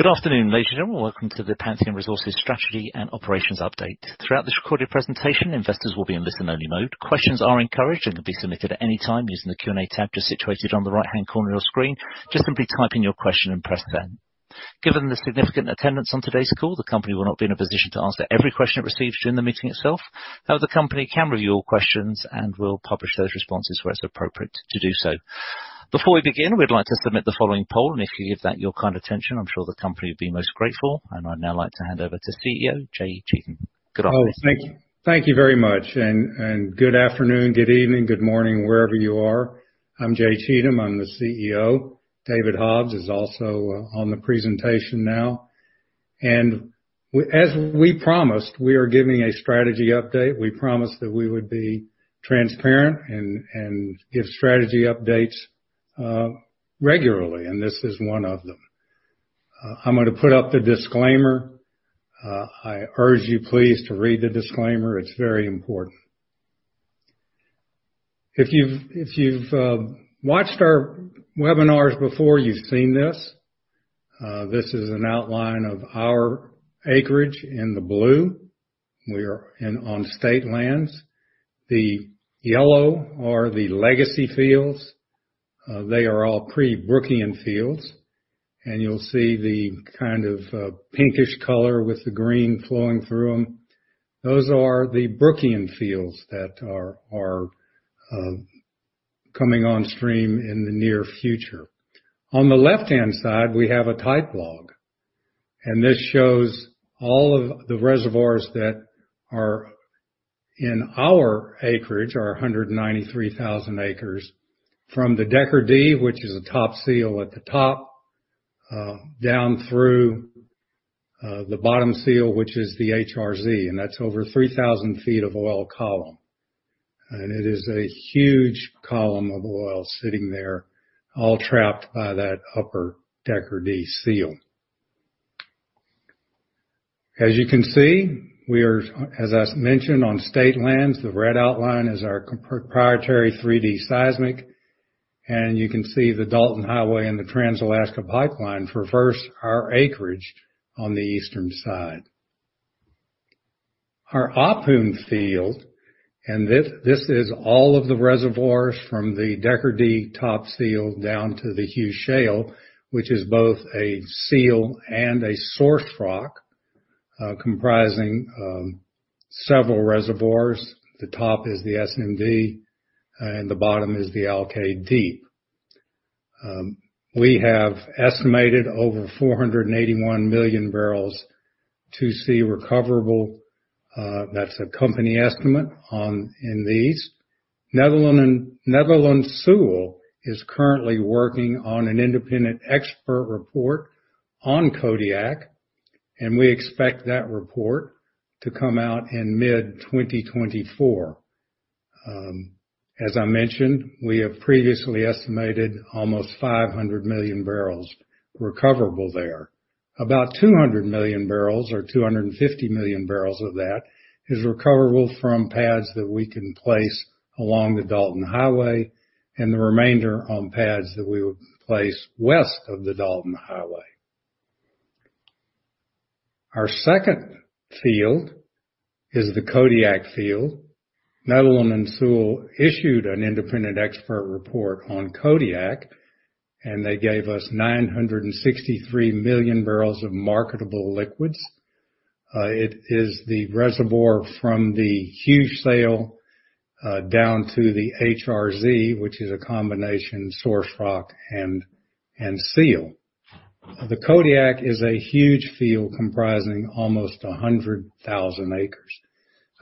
Good afternoon, ladies and gentlemen. Welcome to the Pantheon Resources Strategy and Operations Update. Throughout this recorded presentation, investors will be in listen-only mode. Questions are encouraged and can be submitted at any time using the Q&A tab just situated on the right-hand corner of your screen. Just simply type in your question and press send. Given the significant attendance on today's call, the company will not be in a position to answer every question it receives during the meeting itself, though the company can review all questions and will publish those responses where it's appropriate to do so. Before we begin, we'd like to submit the following poll, and if you give that your kind attention, I'm sure the company will be most grateful. I'd now like to hand over to CEO Jay Cheatham. Good afternoon. Oh, thank you. Thank you very much. Good afternoon, good evening, good morning, wherever you are. I'm Jay Cheatham. I'm the CEO. David Hobbs is also on the presentation now. As we promised, we are giving a strategy update. We promised that we would be transparent and give strategy updates regularly, and this is one of them. I'm gonna put up the disclaimer. I urge you please to read the disclaimer. It's very important. If you've watched our webinars before, you've seen this. This is an outline of our acreage in the blue. We are in on state lands. The yellow are the legacy fields. They are all pre-Brookian fields. You'll see the kind of pinkish color with the green flowing through them. Those are the Brookian fields that are coming on stream in the near future. On the left-hand side, we have a type log, and this shows all of the reservoirs that are in our acreage, our 193,000 acres, from the Decker D, which is a top seal at the top, down through the bottom seal, which is the HRZ, and that's over 3,000 ft of oil column. It is a huge column of oil sitting there, all trapped by that upper Decker D seal. As you can see, we are, as I mentioned, on state lands. The red outline is our proprietary three-D seismic, and you can see the Dalton Highway and the Trans-Alaska Pipeline traverse our acreage on the eastern side. Our Ahpun field, this is all of the reservoirs from the Decker D top seal down to the Hue Shale, which is both a seal and a source rock, comprising several reservoirs. The top is the SMD and the bottom is the Alkaid Deep. We have estimated over 481 million barrels 2C recoverable. That's a company estimate on, in these. Netherland Sewell is currently working on an independent expert report on Kodiak, and we expect that report to come out in mid-2024. As I mentioned, we have previously estimated almost 500 million barrels recoverable there. About 200 million barrels or 250 million barrels of that is recoverable from pads that we can place along the Dalton Highway and the remainder on pads that we would place west of the Dalton Highway. Our second field is the Kodiak field. Netherland, Sewell issued an independent expert report on Kodiak, and they gave us 963 million barrels of marketable liquids. It is the reservoir from the Hue Shale down to the HRZ, which is a combination source rock and seal. The Kodiak is a huge field comprising almost 100,000 acres.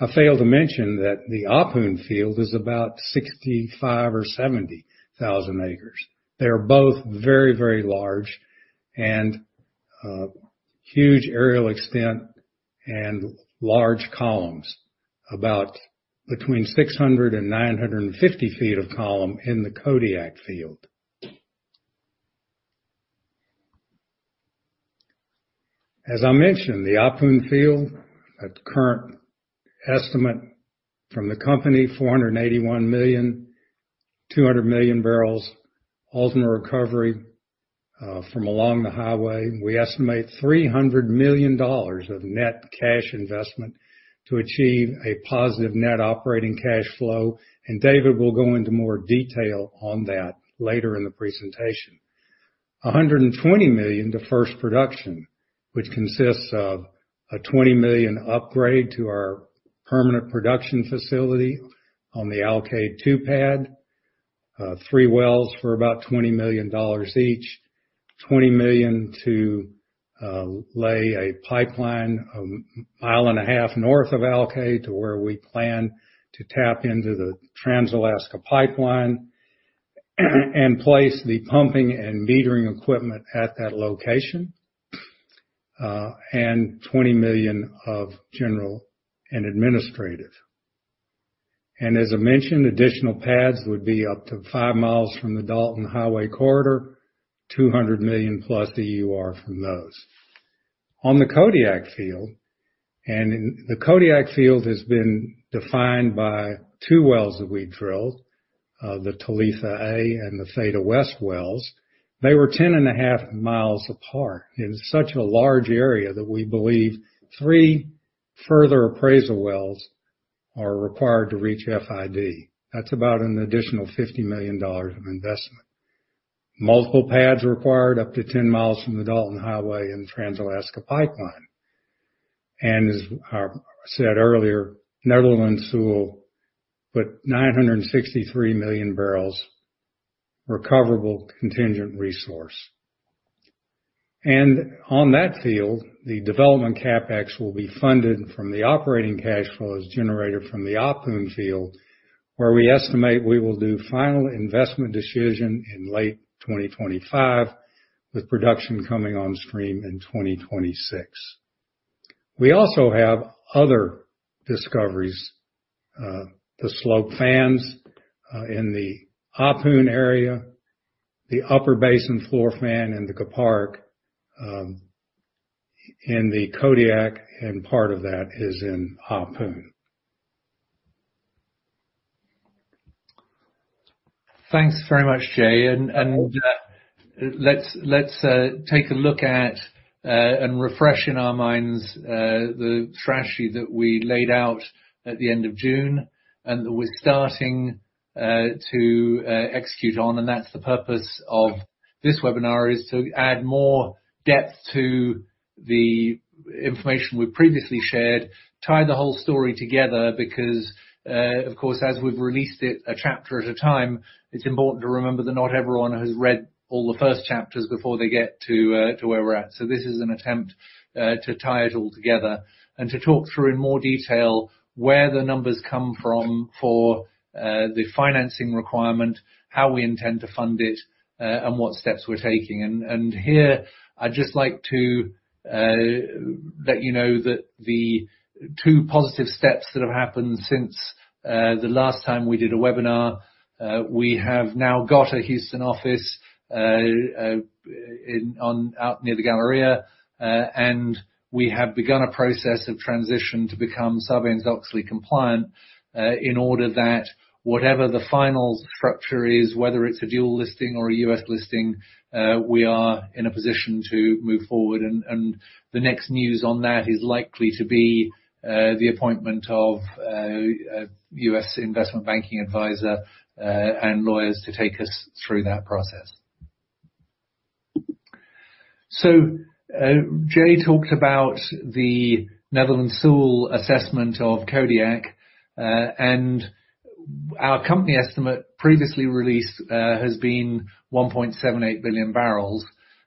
I failed to mention that the Ahpun field is about 65,000 or 70,000 acres. They're both very large and huge areal extent and large columns, about between 600 and 950 feet of column in the Kodiak field. As I mentioned, the Ahpun field at current estimate from the company, 481 million, 200 million barrels ultimate recovery from along the highway. We estimate $300 million of net cash investment to achieve a positive net operating cash flow, and David will go into more detail on that later in the presentation. $120 million to first production, which consists of a $20 million upgrade to our permanent production facility on the Alkaid-2 pad. Three wells for about $20 million each. $20 million to lay a pipeline a mile and a half north of Alkaid to where we plan to tap into the Trans-Alaska Pipeline and place the pumping and metering equipment at that location. $20 million of general and administrative. As I mentioned, additional pads would be up to 5 mi from the Dalton Highway corridor, 200 million+ EUR from those. On the Kodiak field, and the Kodiak field has been defined by two wells that we drilled, the Talitha A and the Theta West wells. They were 10.5 mi apart in such a large area that we believe three further appraisal wells are required to reach FID. That's about an additional $50 million of investment. Multiple pads required up to 10 mi from the Dalton Highway and Trans-Alaska Pipeline. As I said earlier, Netherland Sewell put 963 million barrels recoverable contingent resource. On that field, the development CapEx will be funded from the operating cash flows generated from the Ahpun field, where we estimate we will do final investment decision in late 2025, with production coming on stream in 2026. We also have other discoveries, the slope fans, in the Ahpun area, the upper basin floor fan in the Kuparuk, in the Kodiak, and part of that is in Ahpun. Thanks very much, Jay. Let's take a look at and refresh in our minds the strategy that we laid out at the end of June and that we're starting to execute on. That's the purpose of this webinar, is to add more depth to the information we previously shared, tie the whole story together, because of course, as we've released it a chapter at a time, it's important to remember that not everyone has read all the first chapters before they get to where we're at. This is an attempt to tie it all together and to talk through in more detail where the numbers come from for the financing requirement, how we intend to fund it, and what steps we're taking. Here I'd just like to let you know that the two positive steps that have happened since the last time we did a webinar, we have now got a Houston office out near the Galleria. We have begun a process of transition to become Sarbanes-Oxley compliant in order that whatever the final structure is, whether it's a dual listing or a U.S. listing, we are in a position to move forward. The next news on that is likely to be the appointment of a U.S. investment banking advisor and lawyers to take us through that process. Jay talked about the Netherland Sewell assessment of Kodiak, and our company estimate previously released has been 1.78 billion barrels.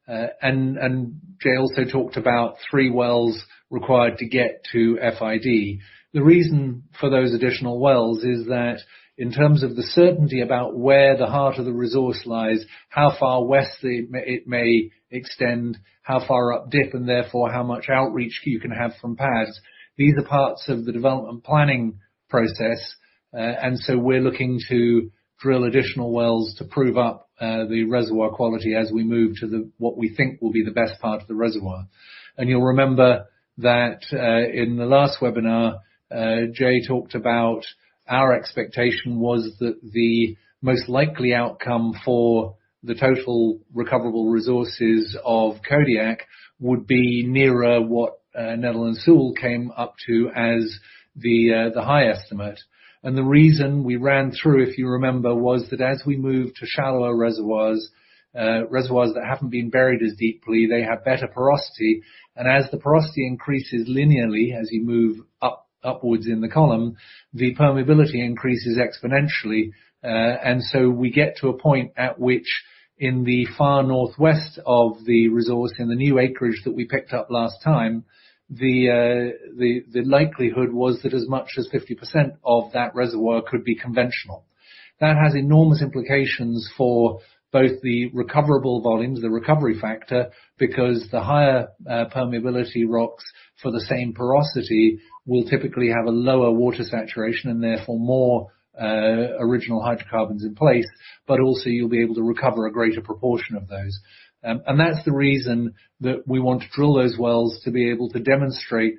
Jay also talked about three wells required to get to FID. The reason for those additional wells is that in terms of the certainty about where the heart of the resource lies, how far west it may extend, how far up dip, and therefore how much outreach you can have from pads. These are parts of the development planning process. We're looking to drill additional wells to prove up the reservoir quality as we move to what we think will be the best part of the reservoir. You'll remember that in the last webinar, Jay talked about our expectation was that the most likely outcome for the total recoverable resources of Kodiak would be nearer what Netherland Sewell came up to as the high estimate. The reason we ran through, if you remember, was that as we moved to shallower reservoirs that haven't been buried as deeply, they have better porosity. As the porosity increases linearly, as you move upwards in the column, the permeability increases exponentially. We get to a point at which in the far northwest of the resource, in the new acreage that we picked up last time, the likelihood was that as much as 50% of that reservoir could be conventional. That has enormous implications for both the recoverable volumes, the recovery factor, because the higher permeability rocks for the same porosity will typically have a lower water saturation and therefore more original hydrocarbons in place. Also you'll be able to recover a greater proportion of those. That's the reason that we want to drill those wells to be able to demonstrate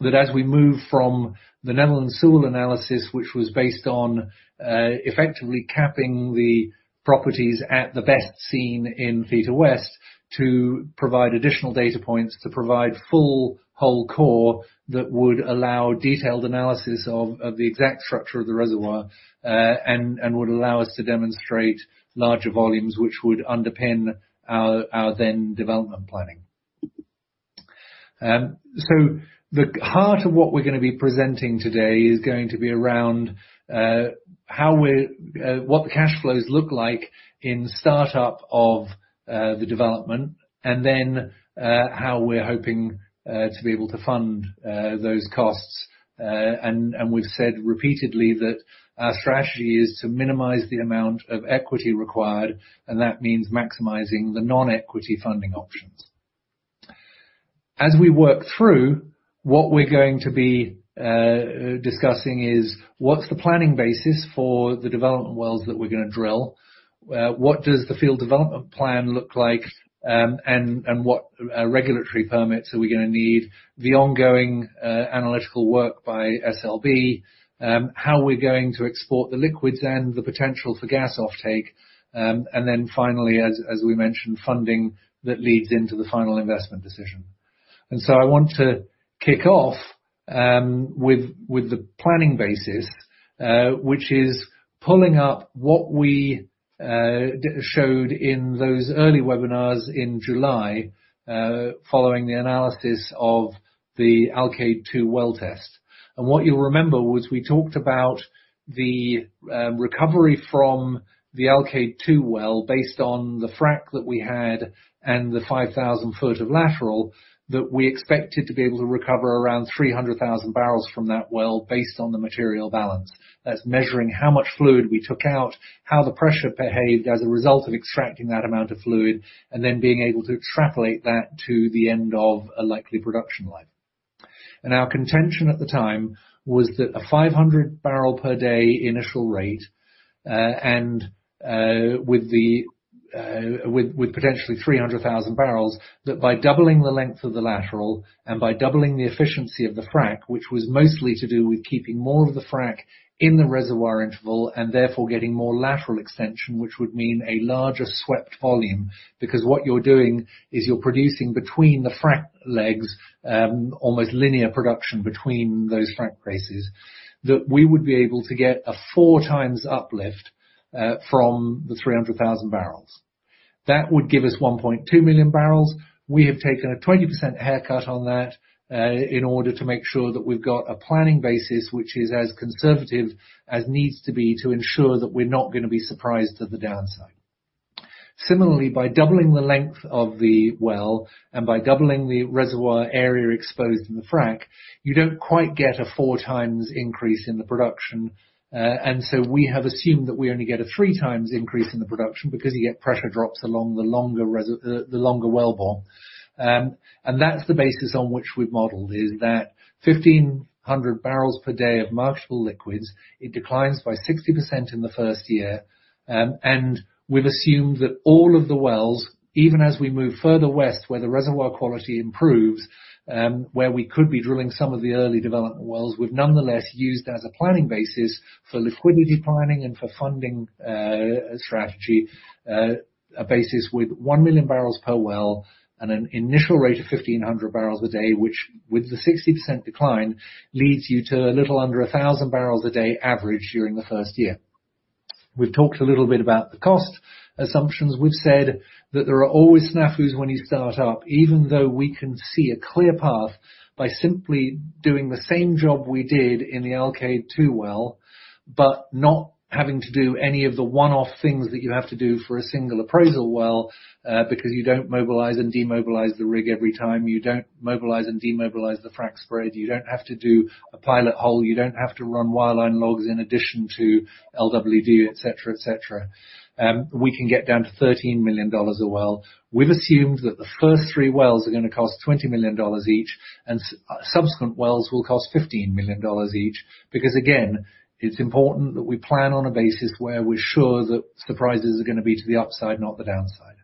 that as we move from the Netherland Sewell analysis, which was based on effectively capping the properties at the best seen in Theta West, to provide additional data points, to provide full whole core that would allow detailed analysis of the exact structure of the reservoir and would allow us to demonstrate larger volumes which would underpin our then development planning. The heart of what we're gonna be presenting today is going to be around what the cash flows look like in start up of the development and then how we're hoping to be able to fund those costs. We've said repeatedly that our strategy is to minimize the amount of equity required, and that means maximizing the non-equity funding options. What we're going to be discussing is what's the planning basis for the development wells that we're gonna drill? What does the field development plan look like, and what regulatory permits are we gonna need? The ongoing analytical work by SLB, how we're going to export the liquids and the potential for gas offtake. And then finally, as we mentioned, funding that leads into the final investment decision. I want to kick off with the planning basis, which is pulling up what we showed in those early webinars in July, following the analysis of the Alkaid-2 well test. What you'll remember was we talked about the recovery from the Alkaid-2 well based on the frack that we had and the 5,000 ft of lateral that we expected to be able to recover around 300,000 bbl from that well based on the material balance. That's measuring how much fluid we took out, how the pressure behaved as a result of extracting that amount of fluid, and then being able to extrapolate that to the end of a likely production life. Our contention at the time was that a 500 bpd initial rate and with potentially 300,000 bbl, that by doubling the length of the lateral and by doubling the efficiency of the frack, which was mostly to do with keeping more of the frack in the reservoir interval and therefore getting more lateral extension, which would mean a larger swept volume, because what you're doing is you're producing between the frack legs, almost linear production between those frack traces, that we would be able to get a 4x uplift from the 300,000 bbl. That would give us 1.2 million barrels. We have taken a 20% haircut on that, in order to make sure that we've got a planning basis, which is as conservative as needs to be to ensure that we're not gonna be surprised at the downside. Similarly, by doubling the length of the well, and by doubling the reservoir area exposed in the frack, you don't quite get a 4x increase in the production. We have assumed that we only get a 3x increase in the production because you get pressure drops along the longer well bore. That's the basis on which we've modeled is that 1,500 barrels per day of marketable liquids, it declines by 60% in the first year. We've assumed that all of the wells, even as we move further west where the reservoir quality improves, where we could be drilling some of the early development wells, we've nonetheless used as a planning basis for liquidity planning and for funding strategy a basis with 1 million barrels per well and an initial rate of 1,500 barrels a day, which with the 60% decline, leads you to a little under 1,000 barrels a day average during the first year. We've talked a little bit about the cost assumptions. We've said that there are always snafus when you start up, even though we can see a clear path by simply doing the same job we did in the Alkaid-2 well, but not having to do any of the one-off things that you have to do for a single appraisal well, because you don't mobilize and demobilize the rig every time. You don't mobilize and demobilize the frack spread. You don't have to do a pilot hole. You don't have to run wireline logs in addition to LWD, et cetera, et cetera. We can get down to $13 million a well. We've assumed that the first 3 wells are gonna cost $20 million each, and subsequent wells will cost $15 million each. Because again, it's important that we plan on a basis where we're sure that surprises are gonna be to the upside, not the downside.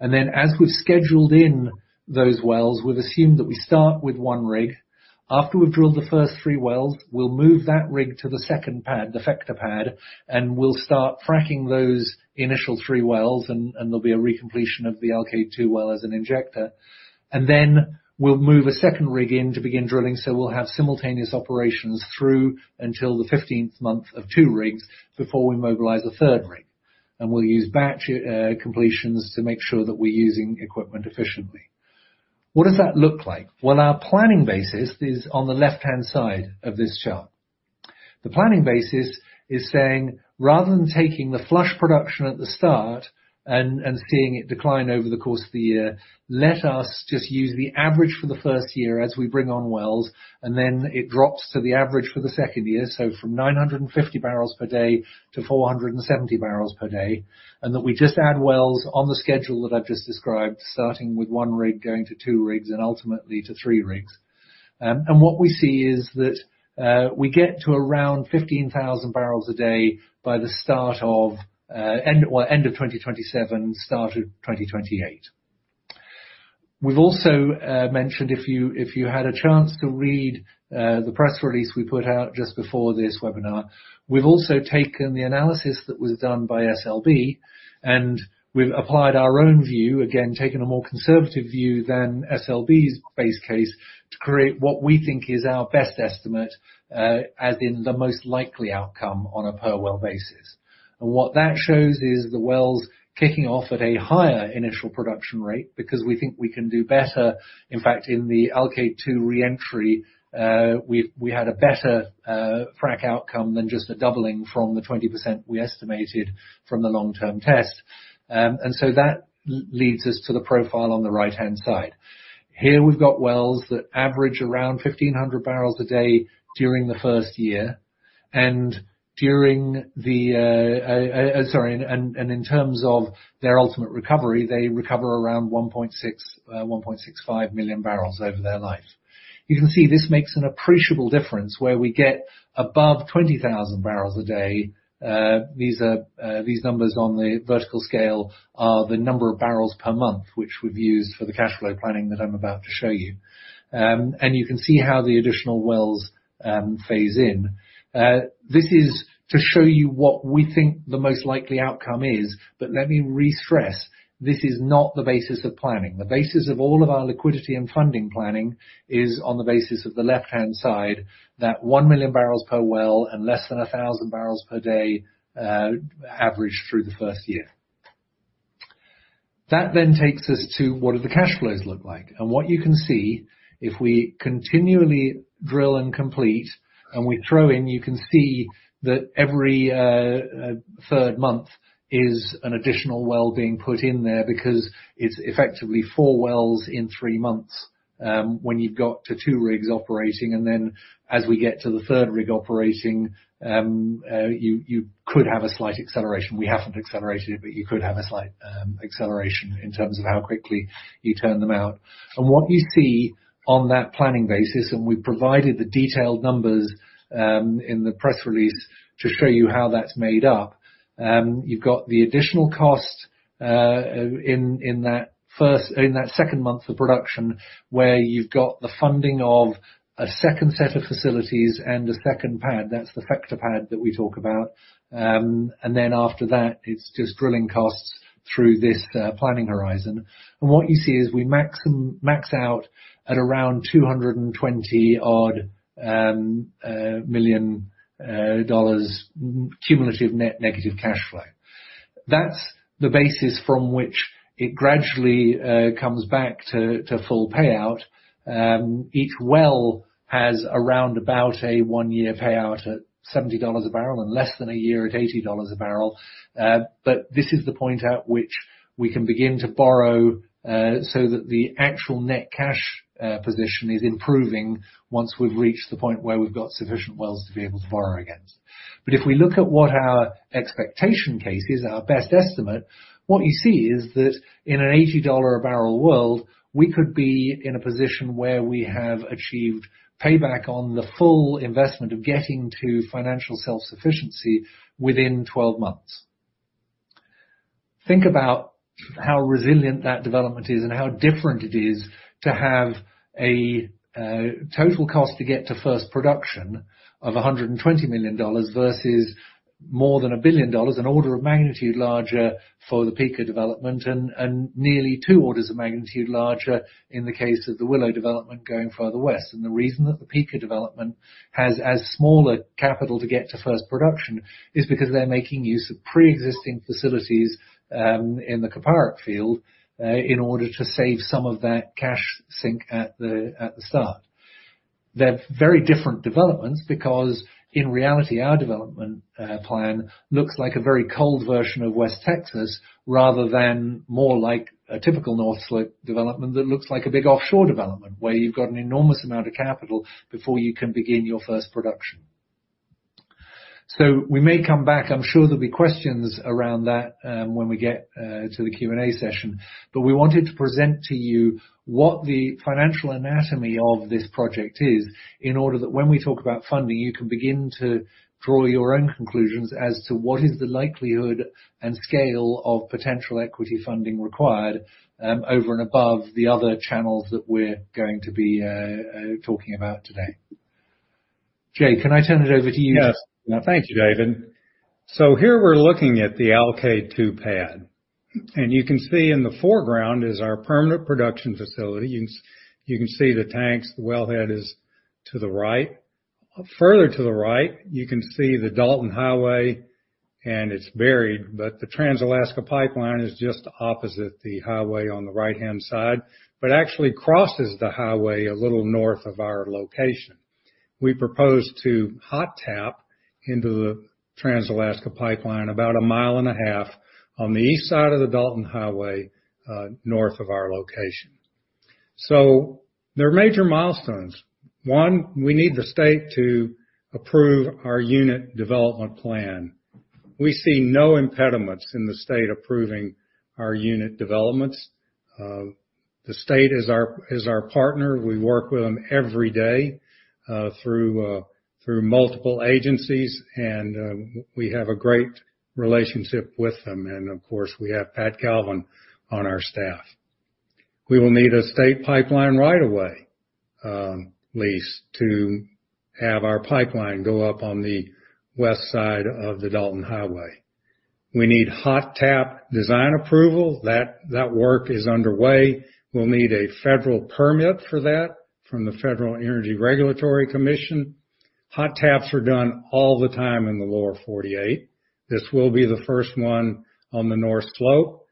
As we've scheduled in those wells, we've assumed that we start with 1 rig. After we've drilled the first three wells, we'll move that rig to the second pad, the Theta pad, and we'll start fracking those initial three wells, and there'll be a recompletion of the Alkaid-2 well as an injector. We'll move a second rig in to begin drilling, so we'll have simultaneous operations through until the 15th month of two rigs before we mobilize a third rig. We'll use batch completions to make sure that we're using equipment efficiently. What does that look like? Well, our planning basis is on the left-hand side of this chart. The planning basis is saying rather than taking the flush production at the start and seeing it decline over the course of the year, let us just use the average for the first year as we bring on wells, and then it drops to the average for the second year. From 950 bpd to 470 bpd, and that we just add wells on the schedule that I've just described, starting with one rig, going to two rigs, and ultimately to three rigs. What we see is that we get to around 15,000 bpd by the end of 2027, start of 2028. We've also mentioned if you had a chance to read the press release we put out just before this webinar. We've also taken the analysis that was done by SLB, and we've applied our own view, again, taking a more conservative view than SLB's base case to create what we think is our best estimate, as in the most likely outcome on a per well basis. What that shows is the wells kicking off at a higher initial production rate because we think we can do better. In fact, in the Alkaid-2 reentry, we had a better frack outcome than just a doubling from the 20% we estimated from the long-term test. That leads us to the profile on the right-hand side. Here we've got wells that average around 1,500 bpd during the first year and in terms of their ultimate recovery, they recover around 1.65 million barrels over their life. You can see this makes an appreciable difference where we get above 20,000 bpd. These numbers on the vertical scale are the number of barrels per month, which we've used for the cash flow planning that I'm about to show you. You can see how the additional wells phase in. This is to show you what we think the most likely outcome is, but let me re-stress, this is not the basis of planning. The basis of all of our liquidity and funding planning is on the basis of the left-hand side, that 1 million barrels per well and less than 1,000 bpd average through the first year. That then takes us to what do the cash flows look like? What you can see if we continually drill and complete and we throw in, you can see that every third month is an additional well being put in there because it's effectively four wells in three months when you've got to two rigs operating. Then as we get to the third rig operating, you could have a slight acceleration. We haven't accelerated it, but you could have a slight acceleration in terms of how quickly you turn them out. What you see on that planning basis, and we've provided the detailed numbers in the press release to show you how that's made up. You've got the additional cost in that second month of production, where you've got the funding of a second set of facilities and a second pad. That's the Theta West that we talk about. Then after that, it's just drilling costs through this planning horizon. What you see is we max out at around $220 million cumulative net negative cash flow. That's the basis from which it gradually comes back to full payout. Each well has around a one-year payout at $70 a barrel and less than a year at $80 a barrel. This is the point at which we can begin to borrow, so that the actual net cash position is improving once we've reached the point where we've got sufficient wells to be able to borrow against. If we look at what our expectation case is, our best estimate, what you see is that in an $80 a barrel world, we could be in a position where we have achieved payback on the full investment of getting to financial self-sufficiency within 12 months. Think about how resilient that development is and how different it is to have a total cost to get to first production of $120 million versus more than $1 billion, an order of magnitude larger for the Pikka development and nearly two orders of magnitude larger in the case of the Willow development going further west. The reason that the Pikka development has a smaller capital to get to first production is because they're making use of pre-existing facilities in the Kuparuk field in order to save some of that capex at the start. They're very different developments because, in reality, our development plan looks like a very cold version of West Texas rather than more like a typical North Slope development that looks like a big offshore development, where you've got an enormous amount of capital before you can begin your first production. We may come back. I'm sure there'll be questions around that when we get to the Q&A session. We wanted to present to you what the financial anatomy of this project is in order that when we talk about funding, you can begin to draw your own conclusions as to what is the likelihood and scale of potential equity funding required over and above the other channels that we're going to be talking about today. Jay, can I turn it over to you? Yes. Now, thank you, David. Here we're looking at the Alkaid-2 pad. You can see in the foreground is our permanent production facility. You can see the tanks. The wellhead is to the right. Further to the right, you can see the Dalton Highway, and it's buried, but the Trans-Alaska Pipeline is just opposite the highway on the right-hand side, but actually crosses the highway a little north of our location. We propose to hot tap into the Trans-Alaska Pipeline about 1.5 mi on the east side of the Dalton Highway, north of our location. There are major milestones. One, we need the state to approve our unit development plan. We see no impediments in the state approving our unit developments. The state is our partner. We work with them every day, through multiple agencies, and we have a great relationship with them. Of course, we have Pat Galvin on our staff. We will need a state pipeline right-of-way lease to have our pipeline go up on the west side of the Dalton Highway. We need hot tap design approval. That work is underway. We'll need a federal permit for that from the Federal Energy Regulatory Commission. Hot taps are done all the time in the Lower 48. This will be the first one on the North Slope.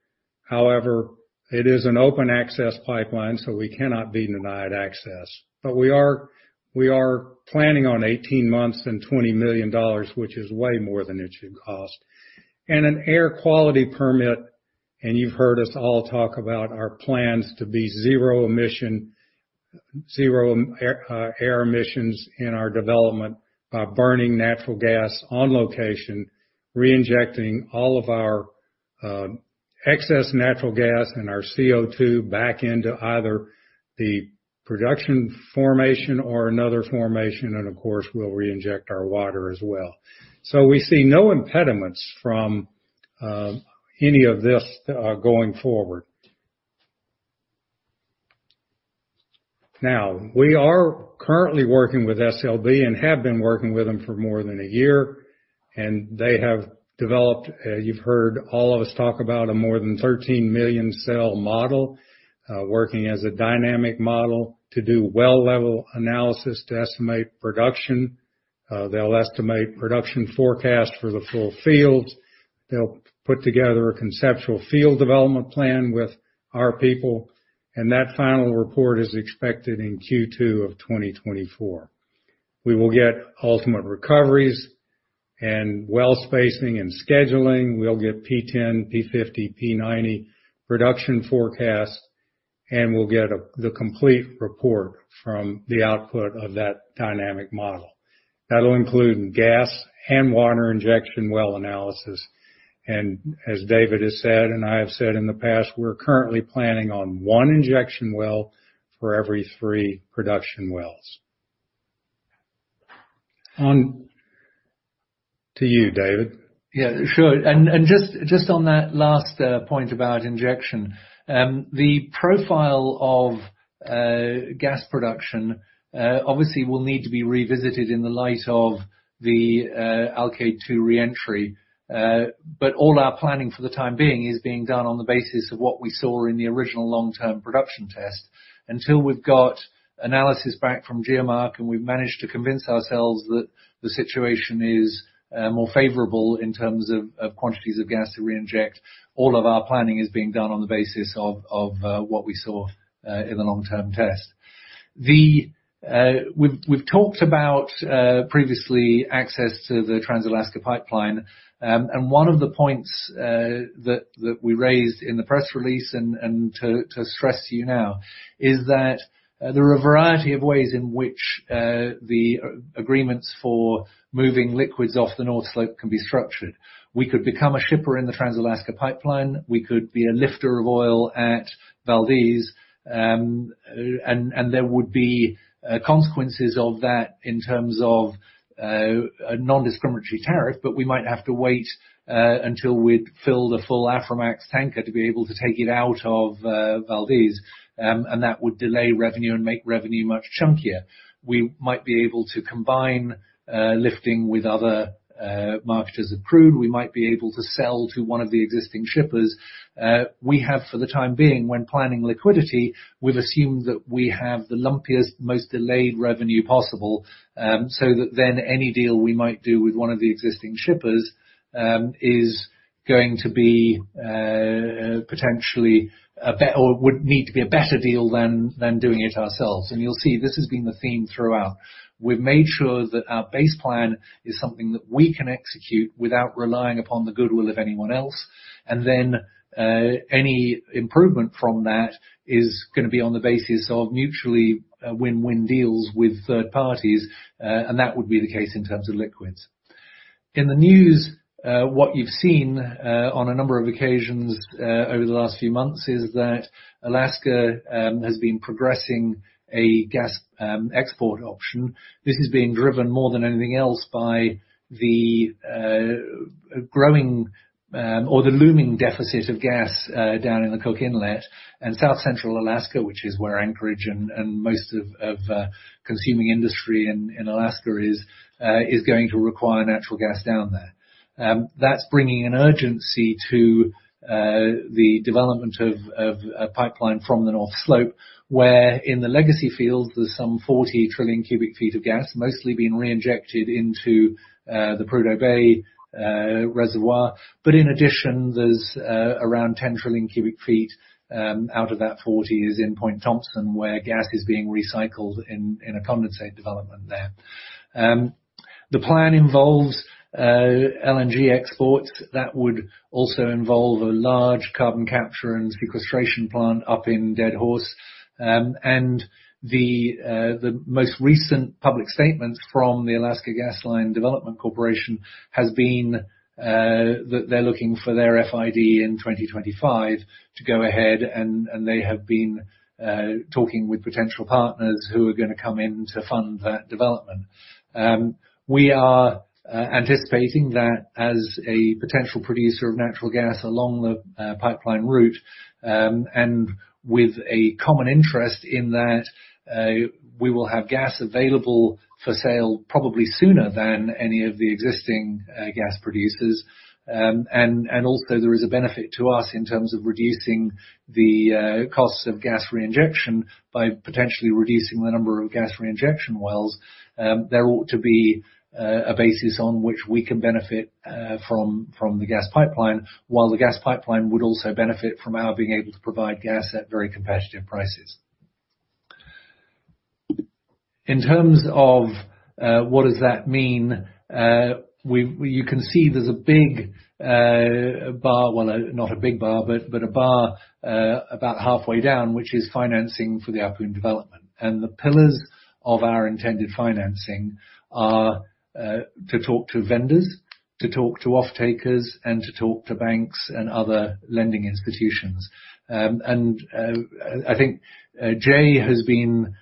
However, it is an open access pipeline, so we cannot be denied access. We are planning on 18 months and $20 million, which is way more than it should cost. An air quality permit, and you've heard us all talk about our plans to be zero emission, zero air emissions in our development by burning natural gas on location, reinjecting all of our excess natural gas and our CO2 back into either the production formation or another formation. Of course, we'll reinject our water as well. We see no impediments from any of this going forward. Now, we are currently working with SLB and have been working with them for more than a year, and they have developed, you've heard all of us talk about a more than 13 million cell model, working as a dynamic model to do well level analysis to estimate production. They'll estimate production forecast for the full field. They'll put together a conceptual field development plan with our people, and that final report is expected in Q2 of 2024. We will get ultimate recoveries and well spacing and scheduling. We'll get P10, P50, P90 production forecasts, and we'll get the complete report from the output of that dynamic model. That'll include gas and water injection well analysis. As David has said, and I have said in the past, we're currently planning on one injection well for every three production wells. On to you, David. Yeah, sure. Just on that last point about injection, the profile of gas production obviously will need to be revisited in the light of the Alkaid-2 reentry. All our planning for the time being is being done on the basis of what we saw in the original long-term production test. Until we've got analysis back from GeoMark, and we've managed to convince ourselves that the situation is more favorable in terms of quantities of gas to reinject, all of our planning is being done on the basis of what we saw in the long-term test. We've talked about previously access to the Trans-Alaska Pipeline. One of the points that we raised in the press release and to stress to you now is that there are a variety of ways in which the agreements for moving liquids off the North Slope can be structured. We could become a shipper in the Trans-Alaska Pipeline. We could be a lifter of oil at Valdez. There would be consequences of that in terms of a nondiscriminatory tariff. We might have to wait until we'd filled a full Aframax tanker to be able to take it out of Valdez. That would delay revenue and make revenue much chunkier. We might be able to combine lifting with other marketers of crude. We might be able to sell to one of the existing shippers. We have, for the time being, when planning liquidity, we've assumed that we have the lumpiest, most delayed revenue possible, so that then any deal we might do with one of the existing shippers is going to be potentially would need to be a better deal than doing it ourselves. You'll see this has been the theme throughout. We've made sure that our base plan is something that we can execute without relying upon the goodwill of anyone else. Any improvement from that is gonna be on the basis of mutually win-win deals with third parties. That would be the case in terms of liquids. In the news, what you've seen on a number of occasions over the last few months is that Alaska has been progressing a gas export option. This is being driven more than anything else by the growing or the looming deficit of gas down in the Cook Inlet and South Central Alaska, which is where Anchorage and most of consuming industry in Alaska is going to require natural gas down there. That's bringing an urgency to the development of a pipeline from the North Slope, where in the legacy field, there's some 40 trillion cu ft of gas mostly being reinjected into the Prudhoe Bay reservoir. In addition, there's around 10 trillion cu ft out of that 40 is in Point Thompson, where gas is being recycled in a condensate development there. The plan involves LNG exports that would also involve a large carbon capture and sequestration plant up in Deadhorse. The most recent public statement from the Alaska Gasline Development Corporation has been that they're looking for their FID in 2025 to go ahead, and they have been talking with potential partners who are gonna come in to fund that development. We are anticipating that as a potential producer of natural gas along the pipeline route, and with a common interest in that, we will have gas available for sale probably sooner than any of the existing gas producers. Also there is a benefit to us in terms of reducing the costs of gas reinjection by potentially reducing the number of gas reinjection wells. There ought to be a basis on which we can benefit from the gas pipeline, while the gas pipeline would also benefit from our being able to provide gas at very competitive prices. In terms of what does that mean, you can see there's a big bar, well, not a big bar, but a bar about halfway down, which is financing for the Ahpun development. The pillars of our intended financing are to talk to vendors, to talk to offtakers, to talk to banks and other lending institutions. I think Jay has been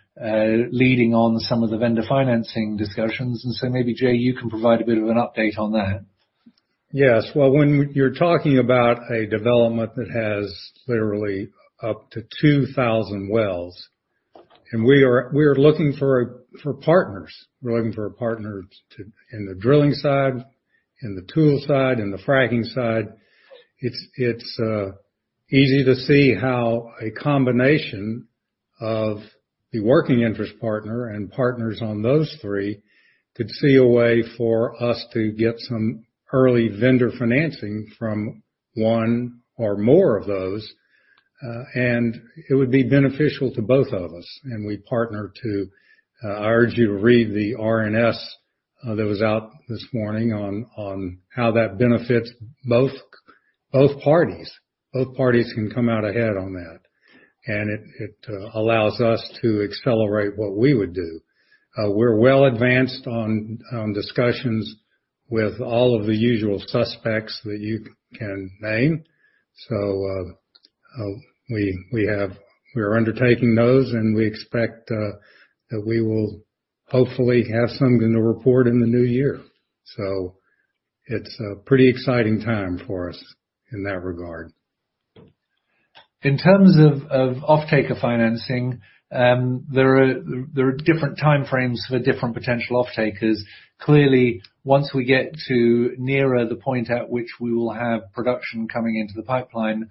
leading on some of the vendor financing discussions. Maybe, Jay, you can provide a bit of an update on that. Yes. Well, when you're talking about a development that has literally up to 2,000 wells, and we are looking for partners. We're looking for a partner to, in the drilling side, in the tool side, in the fracking side. It's easy to see how a combination of the working interest partner and partners on those three could see a way for us to get some early vendor financing from one or more of those, and it would be beneficial to both of us. I urge you to read the RNS that was out this morning on how that benefits both parties. Both parties can come out ahead on that. It allows us to accelerate what we would do. We're well advanced on discussions with all of the usual suspects that you can name. We are undertaking those, and we expect that we will hopefully have something to report in the new year. It's a pretty exciting time for us in that regard. In terms of offtaker financing, there are different time frames for different potential offtakers. Clearly, once we get to nearer the point at which we will have production coming into the pipeline,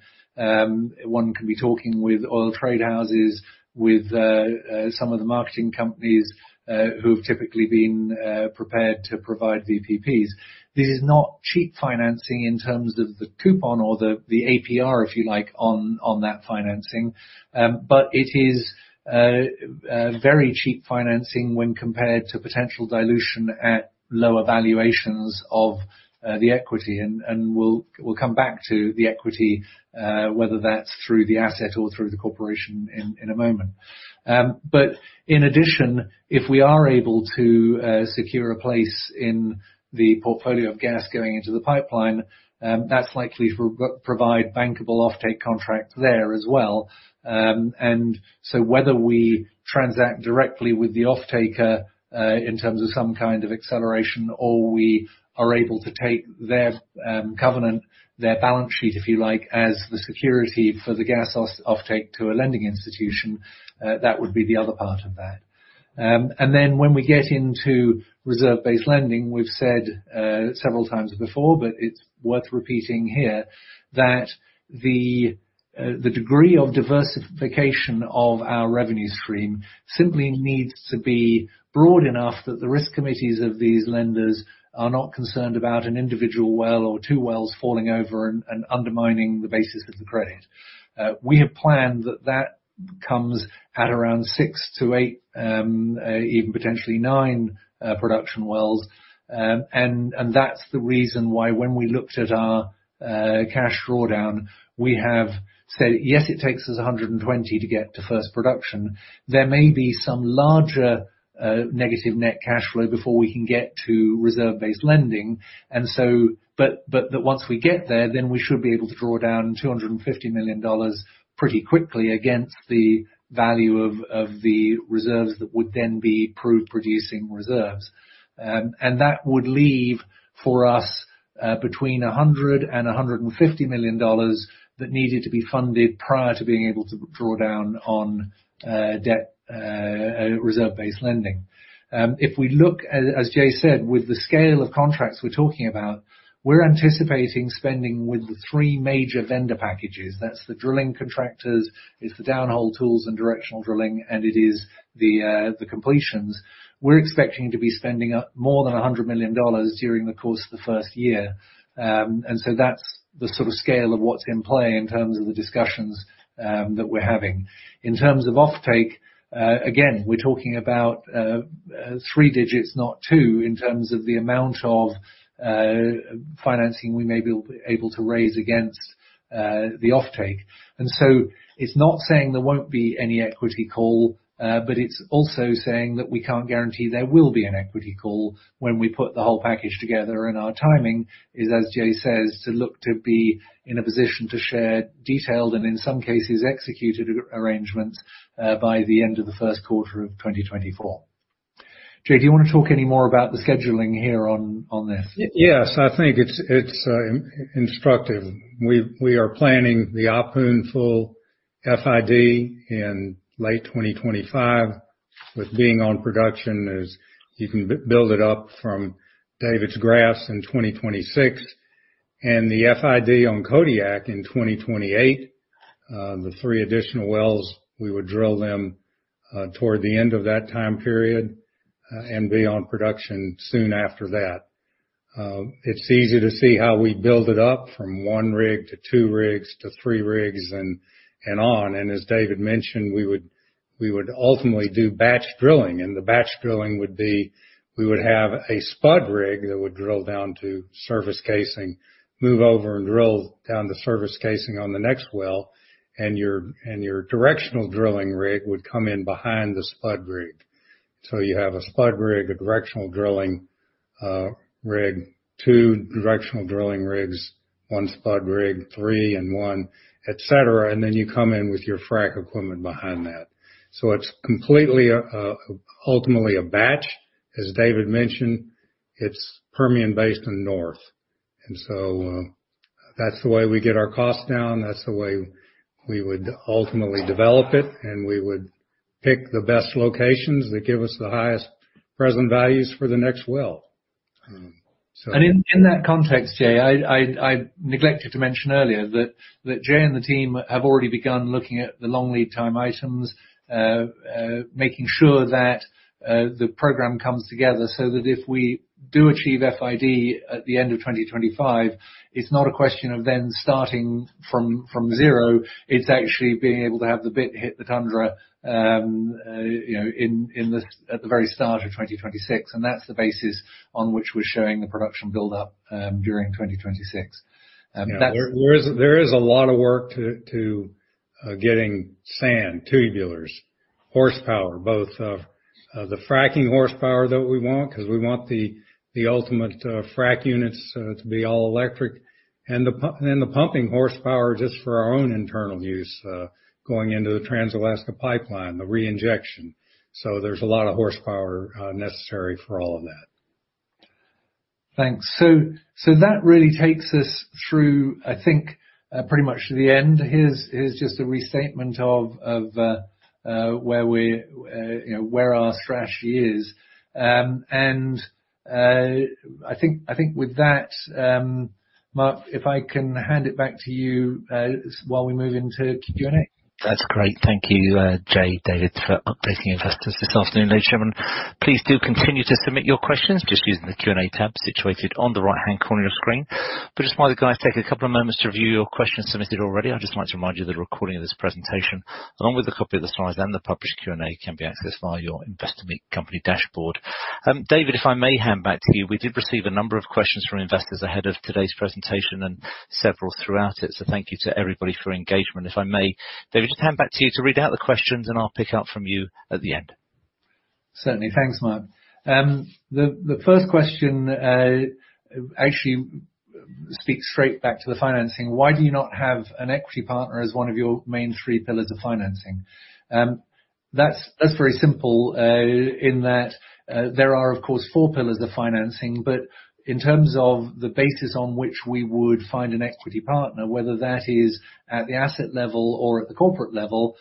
one can be talking with oil trade houses, with some of the marketing companies who have typically been prepared to provide VPPs. This is not cheap financing in terms of the coupon or the APR, if you like, on that financing. But it is very cheap financing when compared to potential dilution at lower valuations of the equity. We'll come back to the equity, whether that's through the asset or through the corporation in a moment. In addition, if we are able to secure a place in the portfolio of gas going into the pipeline, that's likely to provide bankable offtake contract there as well. Whether we transact directly with the offtaker in terms of some kind of acceleration, or we are able to take their covenant, their balance sheet, if you like, as the security for the gas offtake to a lending institution, that would be the other part of that. When we get into reserve-based lending, we've said several times before, but it's worth repeating here, that the degree of diversification of our revenue stream simply needs to be broad enough that the risk committees of these lenders are not concerned about an individual well or two wells falling over and undermining the basis of the credit. We have planned that comes at around 6-8, even potentially nine, production wells. That's the reason why when we looked at our cash drawdown, we have said, "Yes, it takes us $120 million to get to first production." There may be some larger negative net cash flow before we can get to reserve-based lending. Once we get there, then we should be able to draw down $250 million pretty quickly against the value of the reserves that would then be proved producing reserves. That would leave for us between $100 million and $150 million that needed to be funded prior to being able to draw down on debt, reserve-based lending. If we look at, as Jay said, with the scale of contracts we're talking about, we're anticipating spending with the three major vendor packages. That's the drilling contractors, it's the downhole tools and directional drilling, and it is the completions. We're expecting to be spending up more than $100 million during the course of the first year. That's the sort of scale of what's in play in terms of the discussions that we're having. In terms of offtake, again, we're talking about three digits, not two, in terms of the amount of financing we may be able to raise against the offtake. It's not saying there won't be any equity call, but it's also saying that we can't guarantee there will be an equity call when we put the whole package together. Our timing is, as Jay says, to look to be in a position to share detailed and in some cases, executed arrangements by the end of the first quarter of 2024. Jay, do you wanna talk any more about the scheduling here on this? Yes. I think it's instructive. We are planning the Ahpun full FID in late 2025, with being on production as you can build it up from David's graphs in 2026. The FID on Kodiak in 2028. The three additional wells, we would drill them toward the end of that time period and be on production soon after that. It's easy to see how we build it up from one rig to two rigs to three rigs and on. As David mentioned, we would ultimately do batch drilling. The batch drilling would be, we would have a spud rig that would drill down to surface casing, move over and drill down to surface casing on the next well, and your directional drilling rig would come in behind the spud rig. You have a spud rig, a directional drilling rig, two directional drilling rigs, one spud rig, three and one et cetera, and then you come in with your frack equipment behind that. It's completely ultimately a batch. As David mentioned, it's Permian Basin North. That's the way we get our costs down. That's the way we would ultimately develop it, and we would pick the best locations that give us the highest present values for the next well. In that context, Jay, I neglected to mention earlier that Jay and the team have already begun looking at the long lead time items, making sure that the program comes together so that if we do achieve FID at the end of 2025, it's not a question of then starting from zero, it's actually being able to have the bit hit the tundra, you know, at the very start of 2026. That's the basis on which we're showing the production build up during 2026. That's- Yeah. There is a lot of work to getting sand, tubulars, horsepower, both the fracking horsepower that we want, 'cause we want the ultimate frack units to be all electric, and the pumping horsepower just for our own internal use, going into the Trans-Alaska Pipeline, the reinjection. There's a lot of horsepower necessary for all of that. Thanks. That really takes us through, I think, pretty much to the end. Here's just a restatement of where we're, you know, where our strategy is. I think with that, Mark, if I can hand it back to you while we move into Q&A. That's great. Thank you, Jay, David, for updating investors this afternoon. Ladies, gentlemen, please do continue to submit your questions just using the Q&A tab situated on the right-hand corner of your screen. Just while the guys take a couple of moments to review your questions submitted already, I just wanted to remind you that the recording of this presentation, along with a copy of the slides and the published Q&A, can be accessed via your Investor Meet Company dashboard. David, if I may hand back to you. We did receive a number of questions from investors ahead of today's presentation and several throughout it, so thank you to everybody for your engagement. If I may, David, just hand back to you to read out the questions, and I'll pick up from you at the end. Certainly. Thanks, Mark. The first question actually speaks straight back to the financing. Why do you not have an equity partner as one of your main three pillars of financing? That's very simple in that there are, of course, four pillars of financing, but in terms of the basis on which we would find an equity partner, whether that is at the asset level or at the corporate level,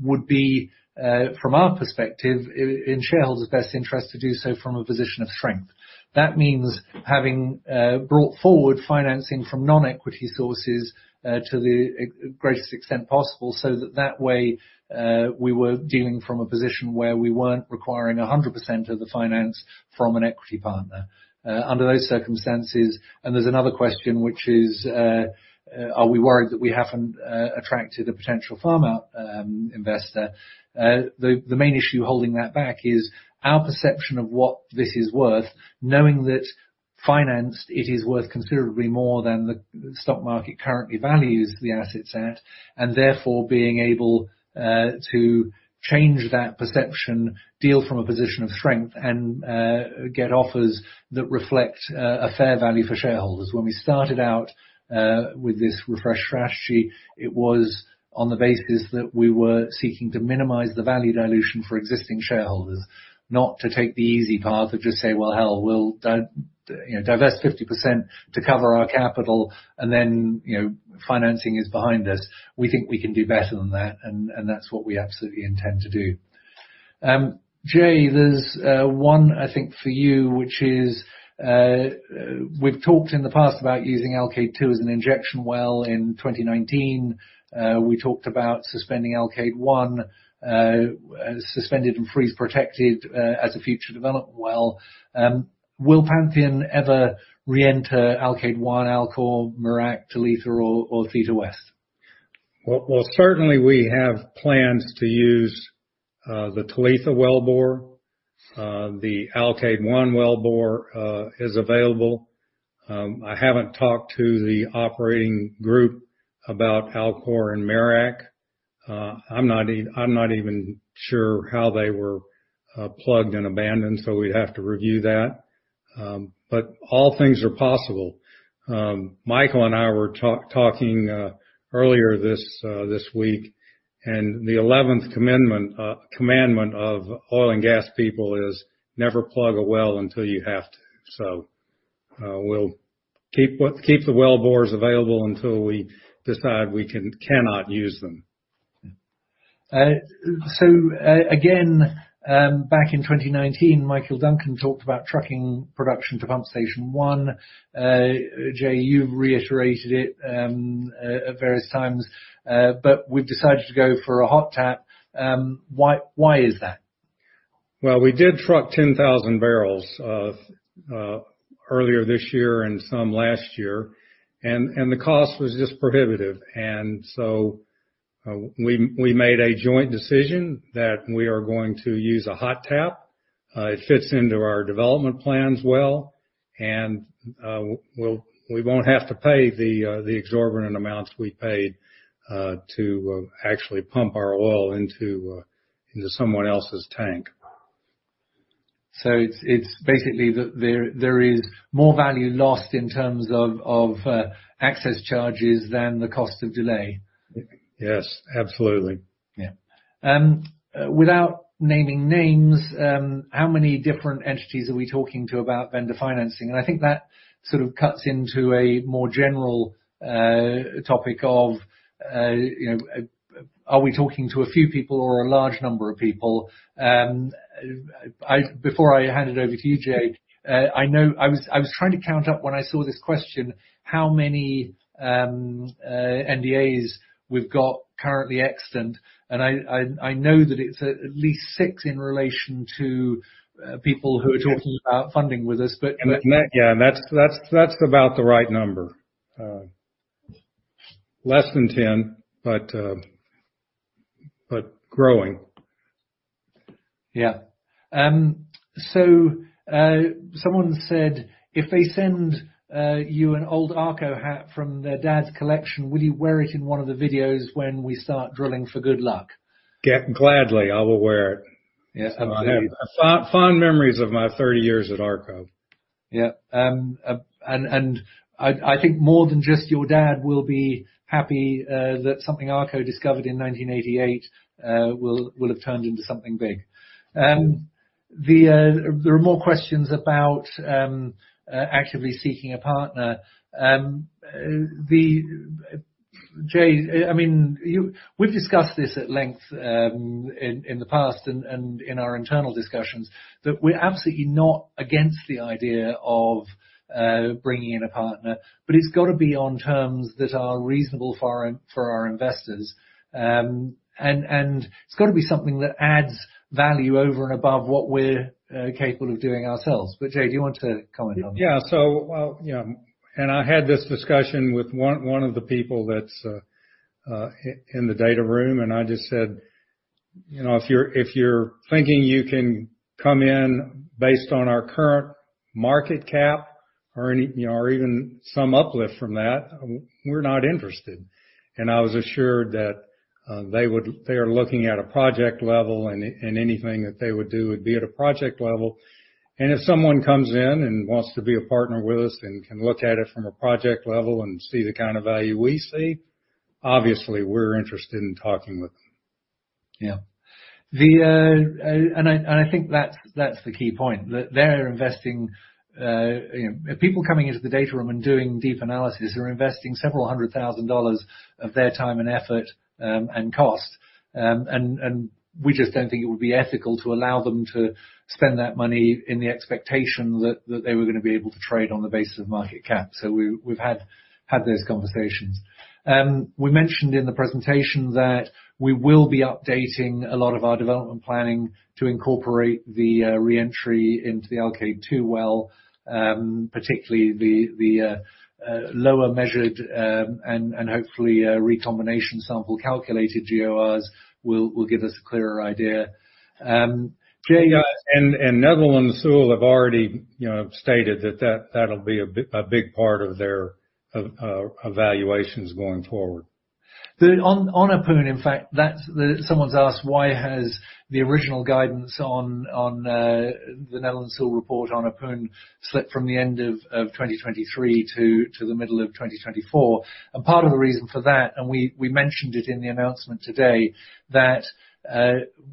would be from our perspective in shareholders' best interest to do so from a position of strength. That means having brought forward financing from non-equity sources to the greatest extent possible so that that way we were dealing from a position where we weren't requiring 100% of the finance from an equity partner. Under those circumstances. There's another question, which is, are we worried that we haven't attracted a potential farm-in investor? The main issue holding that back is our perception of what this is worth, knowing that financed, it is worth considerably more than the stock market currently values the assets at, and therefore being able to change that perception, deal from a position of strength and get offers that reflect a fair value for shareholders. When we started out with this refreshed strategy, it was on the basis that we were seeking to minimize the value dilution for existing shareholders, not to take the easy path of just say, "Well, hell, you know, divest 50% to cover our capital and then, you know, financing is behind us." We think we can do better than that, and that's what we absolutely intend to do. Jay, there's one I think for you, which is, we've talked in the past about using Alkaid-2 as an injection well in 2019. We talked about suspending Alkaid-1 suspended and freeze protected as a future development well. Will Pantheon ever re-enter Alkaid-1, Alcor, Merak, Talitha or Theta West? Well, certainly we have plans to use the Talitha wellbore. The Alkaid-1 wellbore is available. I haven't talked to the operating group about Alcor and Merak. I'm not even sure how they were plugged and abandoned, so we'd have to review that. All things are possible. Michael and I were talking earlier this week, and the eleventh commandment of oil and gas people is never plug a well until you have to. We'll keep the wellbores available until we decide we cannot use them. Again, back in 2019, Michael Duncan talked about trucking production to Pump Station 1. Jay, you've reiterated it at various times, but we've decided to go for a hot tap. Why is that? Well, we did truck 10,000 bbl of earlier this year and some last year, and the cost was just prohibitive. We made a joint decision that we are going to use a hot tap. It fits into our development plans well, and we won't have to pay the exorbitant amounts we paid to actually pump our oil into someone else's tank. It's basically there is more value lost in terms of access charges than the cost of delay? Yes, absolutely. Yeah. Without naming names, how many different entities are we talking to about vendor financing? I think sort of cuts into a more general topic of, you know, are we talking to a few people or a large number of people? Before I hand it over to you, Jay, I know I was trying to count up when I saw this question, how many NDAs we've got currently extant, and I know that it's at least six in relation to people who are talking about funding with us. But That, yeah, that's about the right number. Less than 10, but growing. Yeah. Someone said, if they send you an old ARCO hat from their dad's collection, will you wear it in one of the videos when we start drilling for good luck? Gladly, I will wear it. Yeah. Absolutely. I have fond memories of my 30 years at ARCO. I think more than just your dad will be happy that something ARCO discovered in 1988 will have turned into something big. There are more questions about actively seeking a partner. Jay, I mean, we've discussed this at length in the past and in our internal discussions that we're absolutely not against the idea of bringing in a partner, but it's gotta be on terms that are reasonable for our investors. It's gotta be something that adds value over and above what we're capable of doing ourselves. Jay, do you want to comment on that? I had this discussion with one of the people that's in the data room, and I just said, "You know, if you're thinking you can come in based on our current market cap or any, you know, or even some uplift from that, we're not interested." I was assured that they are looking at a project level, and anything that they would do would be at a project level. If someone comes in and wants to be a partner with us and can look at it from a project level and see the kind of value we see, obviously we're interested in talking with them. Yeah. I think that's the key point. People coming into the data room and doing deep analysis are investing several hundred thousand dollars of their time and effort, and cost. We just don't think it would be ethical to allow them to spend that money in the expectation that they were gonna be able to trade on the basis of market cap. We've had those conversations. We mentioned in the presentation that we will be updating a lot of our development planning to incorporate the reentry into the Alkaid-2 well, particularly the lower measured, and hopefully recombination sample calculated GORs will give us a clearer idea. Jay and Netherland, Sewell have already, you know, stated that that'll be a big part of their evaluations going forward. The one on Ahpun, in fact, that's the someone's asked why has the original guidance on the Netherland Sewell report on Ahpun slipped from the end of 2023 to the middle of 2024. Part of the reason for that, we mentioned it in the announcement today, that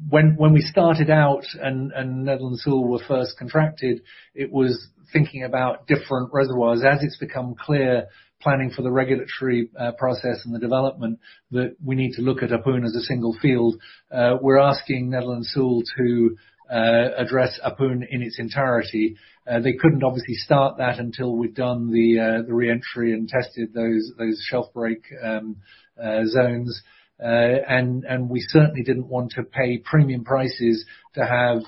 when we started out and Netherland Sewell were first contracted, it was thinking about different reservoirs. As it's become clear, planning for the regulatory process and the development that we need to look at Ahpun as a single field, we're asking Netherland Sewell to address Ahpun in its entirety. They couldn't obviously start that until we've done the reentry and tested those shelf break zones. We certainly didn't want to pay premium prices to have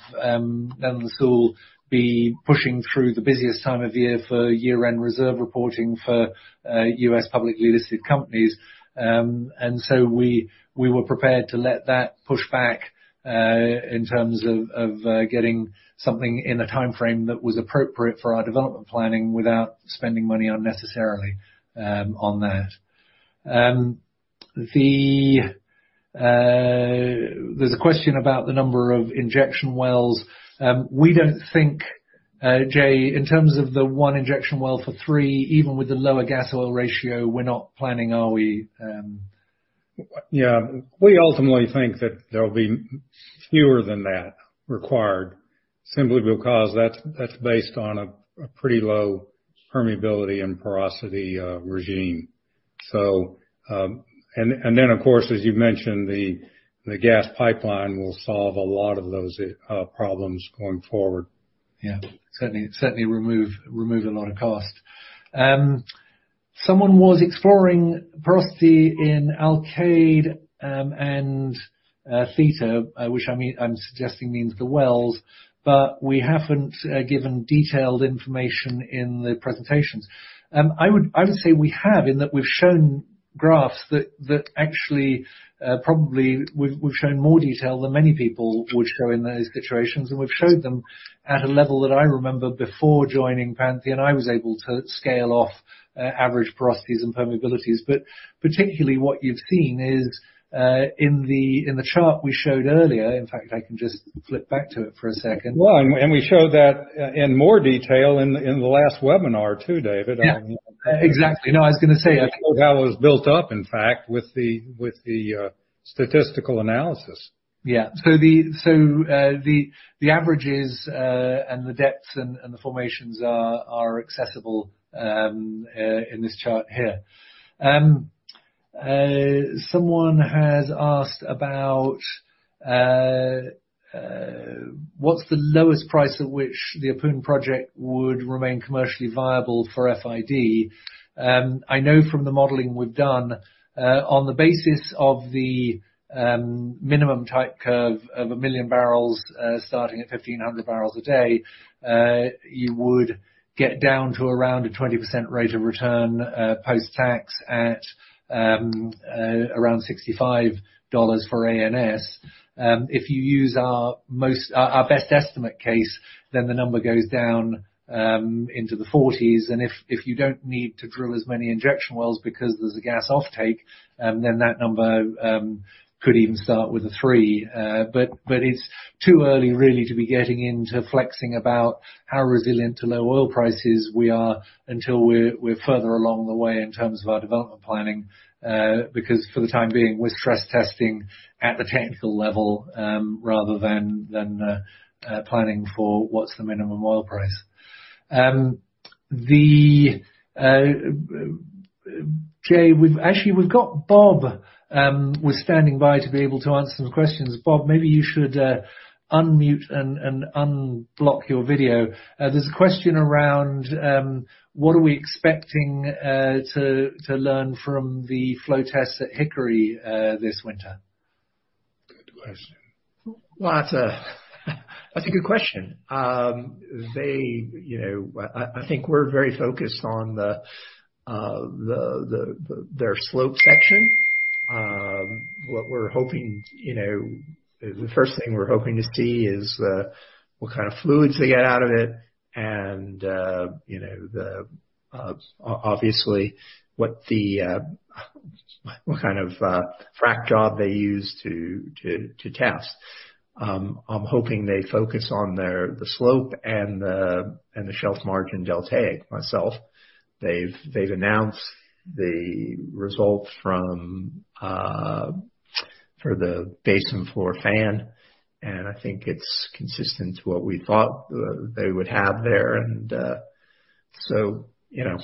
Netherland Sewell be pushing through the busiest time of year for year-end reserve reporting for U.S. publicly listed companies. So we were prepared to let that pushback in terms of getting something in a timeframe that was appropriate for our development planning without spending money unnecessarily on that. There's a question about the number of injection wells. We don't think, Jay, in terms of the one injection well for three, even with the lower gas oil ratio, we're not planning, are we. Yeah. We ultimately think that there'll be fewer than that required simply because that's based on a pretty low permeability and porosity regime. Of course, as you've mentioned, the gas pipeline will solve a lot of those problems going forward. Yeah. Certainly remove a lot of cost. Someone was exploring porosity in Alkaid and Theta, which I mean I'm suggesting means the wells, but we haven't given detailed information in the presentations. I would say we have, in that we've shown graphs that actually probably we've shown more detail than many people would show in those situations. We've shown them at a level that I remember before joining Pantheon, I was able to scale off average porosities and permeabilities. Particularly what you've seen is in the chart we showed earlier. In fact, I can just flip back to it for a second. Well, we showed that in more detail in the last webinar too, David. Yeah. Exactly. No, I was gonna say. How that was built up, in fact, with the statistical analysis. The averages and the depths and the formations are accessible in this chart here. Someone has asked about what's the lowest price at which the Ahpun project would remain commercially viable for FID. I know from the modeling we've done on the basis of the minimum type curve of 1 million barrels starting at 1,500 bpd you would get down to around a 20% rate of return post-tax at around $65 for ANS. If you use our best estimate case then the number goes down into the forties. If you don't need to drill as many injection wells because there's a gas offtake then that number could even start with a three. It's too early really to be getting into flexing about how resilient to low oil prices we are until we're further along the way in terms of our development planning, because for the time being, we're stress testing at the technical level, rather than planning for what's the minimum oil price. Jay, actually, we've got Bob standing by to be able to answer some questions. Bob, maybe you should unmute and unblock your video. There's a question around what are we expecting to learn from the flow tests at Hickory this winter? Good question. Well, that's a good question. You know, I think we're very focused on their slope section. What we're hoping, you know, the first thing we're hoping to see is what kind of fluids they get out of it and, you know, obviously what kind of frack job they use to test. I'm hoping they focus on their slope and the Shelf Margin Deltaic myself. They've announced the results for the Basin Floor Fan, and I think it's consistent to what we thought they would have there. You know,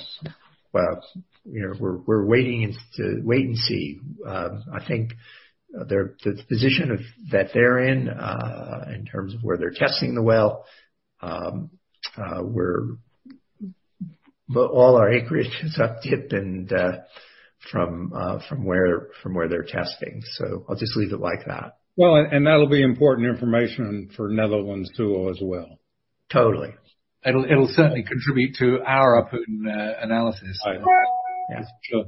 well, you know, we're waiting to see. I think the position that they're in terms of where they're testing the well. All our acreage is updip from where they're testing. So I'll just leave it like that. Well, that'll be important information for Netherland, Sewell, as well. Totally. It'll certainly contribute to our Ahpun analysis. Yeah. Sure.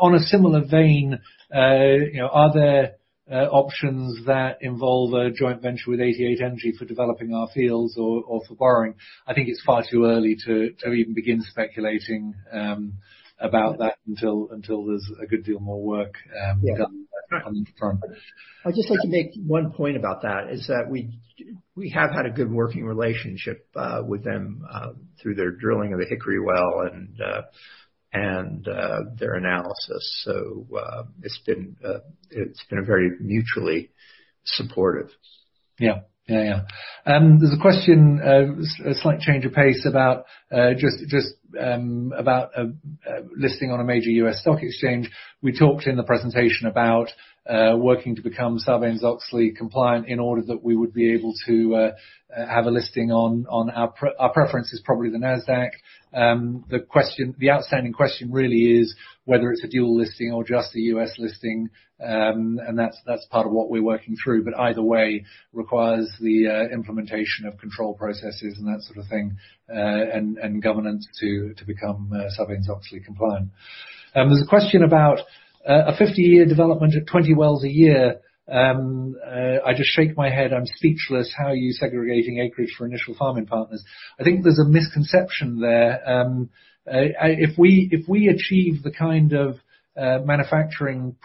On a similar vein, you know, are there options that involve a joint venture with 88 Energy for developing our fields or for borrowing? I think it's far too early to even begin speculating about that until there's a good deal more work. Yeah. Done on the front. I'd just like to make one point about that, is that we have had a good working relationship with them and their analysis. It's been a very mutually supportive. There's a question, slight change of pace about just about listing on a major U.S. stock exchange. We talked in the presentation about working to become Sarbanes-Oxley compliant in order that we would be able to have a listing on. Our preference is probably the Nasdaq. The question, the outstanding question really is whether it's a dual listing or just a U.S. listing. That's part of what we're working through. Either way requires the implementation of control processes and that sort of thing, and governance to become Sarbanes-Oxley compliant. There's a question about a 50-year development at 20 wells a year. I just shake my head. I'm speechless. How are you segregating acreage for initial farm-in partners? I think there's a misconception there. If we achieve the kind of manufacturing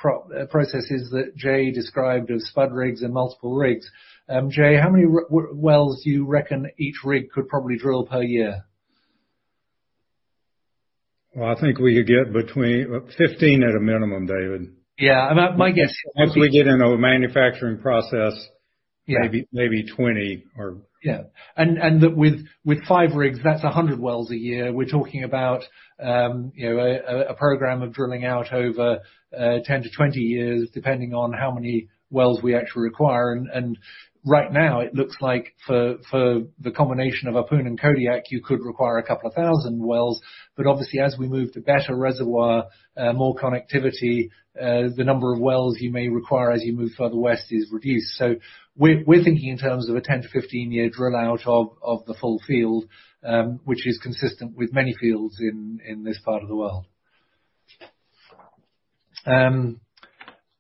processes that Jay described as spud rigs and multiple rigs, Jay, how many HRZ wells do you reckon each rig could probably drill per year? Well, I think we could get between 15 at a minimum, David. Yeah. That's my guess. Once we get into a manufacturing process. Yeah. Maybe 20 or. Yeah. With five rigs, that's 100 wells a year. We're talking about, you know, a program of drilling out over 10-20 years, depending on how many wells we actually require. Right now, it looks like for the combination of Ahpun and Kodiak, you could require a couple of thousand wells. Obviously, as we move to better reservoir, more connectivity, the number of wells you may require as you move further west is reduced. We're thinking in terms of a 10-15 year drill out of the full field, which is consistent with many fields in this part of the world.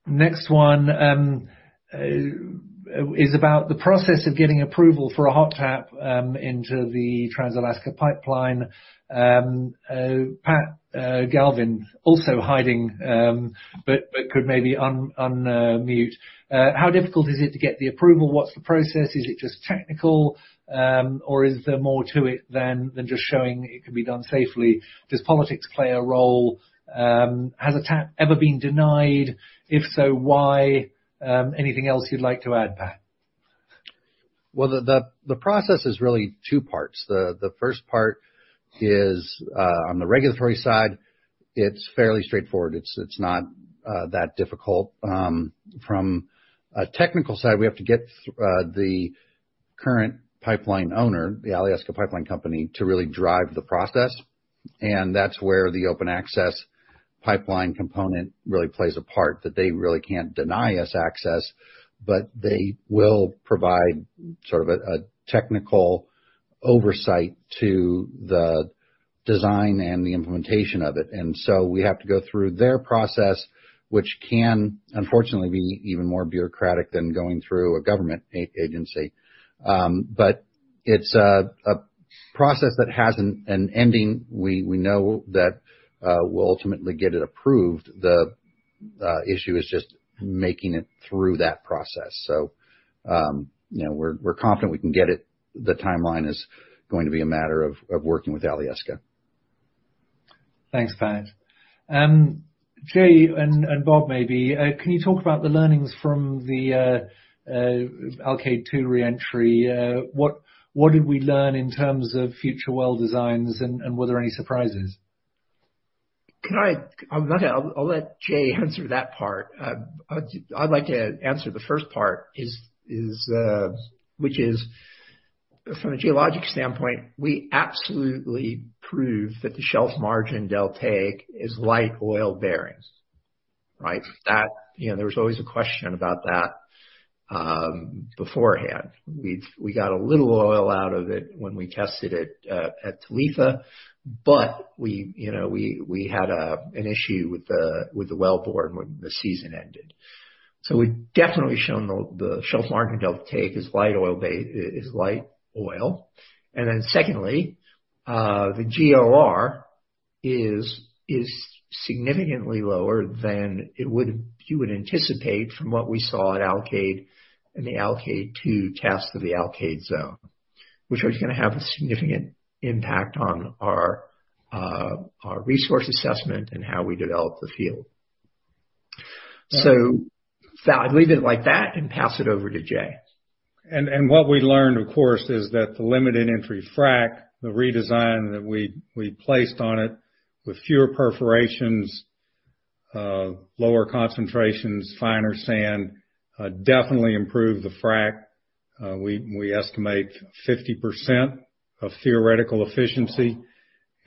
Next one is about the process of getting approval for a hot tap into the Trans-Alaska Pipeline. Pat Galvin also hiding but could maybe unmute. How difficult is it to get the approval? What's the process? Is it just technical, or is there more to it than just showing it can be done safely? Does politics play a role? Has a tap ever been denied? If so, why? Anything else you'd like to add, Pat? Well, the process is really two parts. The first part is on the regulatory side, it's fairly straightforward. It's not that difficult. From a technical side, we have to get the current pipeline owner, the Alyeska Pipeline Service Company, to really drive the process. That's where the open access pipeline component really plays a part, that they really can't deny us access, but they will provide sort of a technical oversight to the design and the implementation of it. We have to go through their process, which can unfortunately be even more bureaucratic than going through a government agency. It's a process that has an ending. We know that we'll ultimately get it approved. The issue is just making it through that process. You know, we're confident we can get it. The timeline is going to be a matter of working with Alyeska. Thanks, Pat. Jay and Bob, maybe can you talk about the learnings from the Alkaid-2 reentry? What did we learn in terms of future well designs? Were there any surprises? I'll let Jay answer that part. I'd like to answer the first part, which is from a geologic standpoint, we absolutely proved that the shelf margin deltaic is light oil bearing, right? You know, there was always a question about that beforehand. We've got a little oil out of it when we tested it at Talitha, but you know, we had an issue with the well bore when the season ended. We've definitely shown the shelf margin deltaic is light oil. Secondly, the GOR is significantly lower than you would anticipate from what we saw at Alkaid in the Alkaid-2 test of the Alkaid zone. Which is gonna have a significant impact on our resource assessment and how we develop the field. Val, leave it like that and pass it over to Jay. What we learned, of course, is that the limited entry frack, the redesign that we placed on it with fewer perforations, lower concentrations, finer sand, definitely improved the frack. We estimate 50% of theoretical efficiency.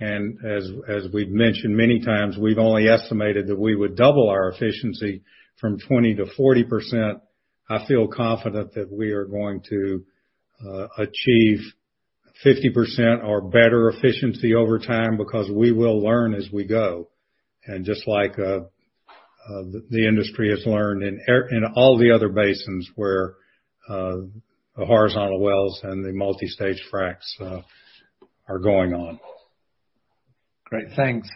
As we've mentioned many times, we've only estimated that we would double our efficiency from 20%-40%. I feel confident that we are going to achieve 50% or better efficiency over time because we will learn as we go. Just like the industry has learned in all the other basins where the horizontal wells and the multi-stage fracs are going on. Great. Thanks.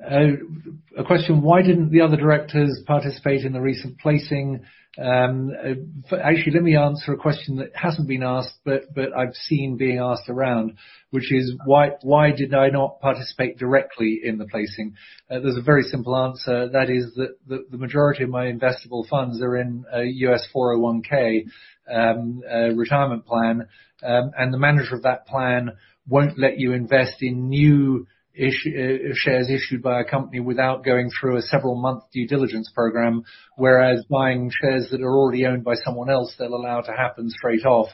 A question, why didn't the other directors participate in the recent placing? Actually, let me answer a question that hasn't been asked, but I've seen being asked around, which is why did I not participate directly in the placing? There's a very simple answer. That is, the majority of my investable funds are in a U.S. 401(k) retirement plan. The manager of that plan won't let you invest in new shares issued by a company without going through a several-month due diligence program, whereas buying shares that are already owned by someone else, they'll allow to happen straight off.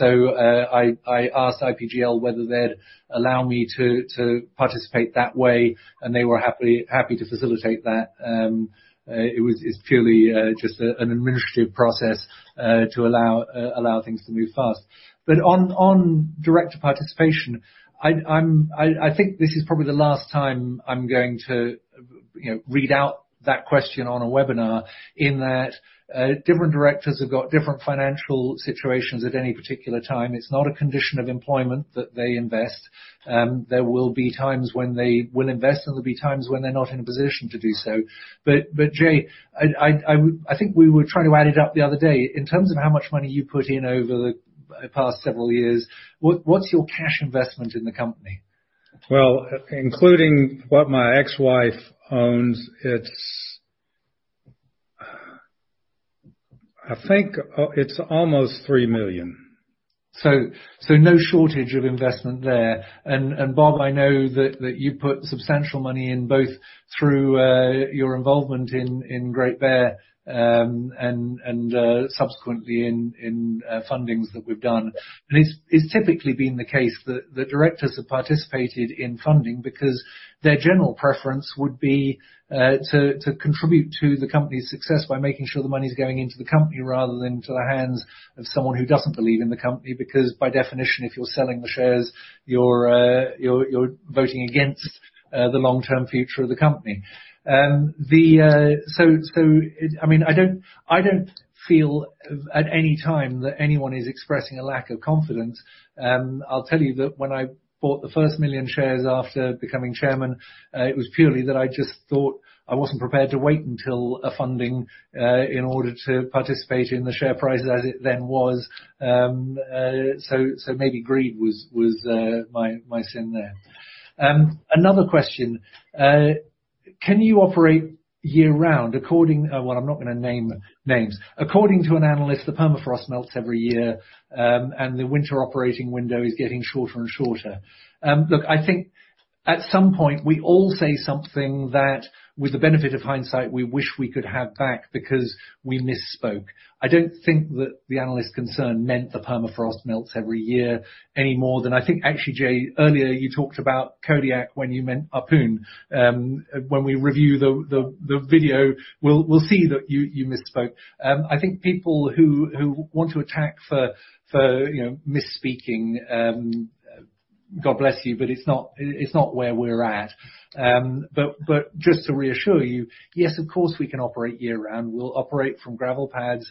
I asked IPGL whether they'd allow me to participate that way, and they were happy to facilitate that. It's purely just an administrative process to allow things to move fast. On director participation, I think this is probably the last time I'm going to, you know, read out that question on a webinar in that different directors have got different financial situations at any particular time. It's not a condition of employment that they invest. There will be times when they will invest, and there'll be times when they're not in a position to do so. Jay, I think we were trying to add it up the other day. In terms of how much money you put in over the past several years, what's your cash investment in the company? Well, including what my ex-wife owns, it's, I think, almost 3 million. No shortage of investment there. Bob, I know that you put substantial money in both through your involvement in Great Bear and subsequently in fundings that we've done. It's typically been the case that the directors have participated in funding because their general preference would be to contribute to the company's success by making sure the money's going into the company rather than to the hands of someone who doesn't believe in the company. Because by definition, if you're selling the shares, you're voting against the long-term future of the company. I mean, I don't feel at any time that anyone is expressing a lack of confidence. I'll tell you that when I bought the first million shares after becoming chairman, it was purely that I just thought I wasn't prepared to wait until a funding in order to participate in the share price as it then was. Maybe greed was my sin there. Another question. Can you operate year round according to an analyst, the permafrost melts every year, and the winter operating window is getting shorter and shorter. Well, I'm not gonna name names. Look, I think at some point we all say something that, with the benefit of hindsight, we wish we could have back because we misspoke. I don't think that the analyst concerned meant the permafrost melts every year any more than I think. Actually, Jay, earlier you talked about Kodiak when you meant Ahpun. When we review the video, we'll see that you misspoke. I think people who want to attack for you know misspeaking, God bless you, but it's not where we're at. Just to reassure you, yes, of course, we can operate year round. We'll operate from gravel pads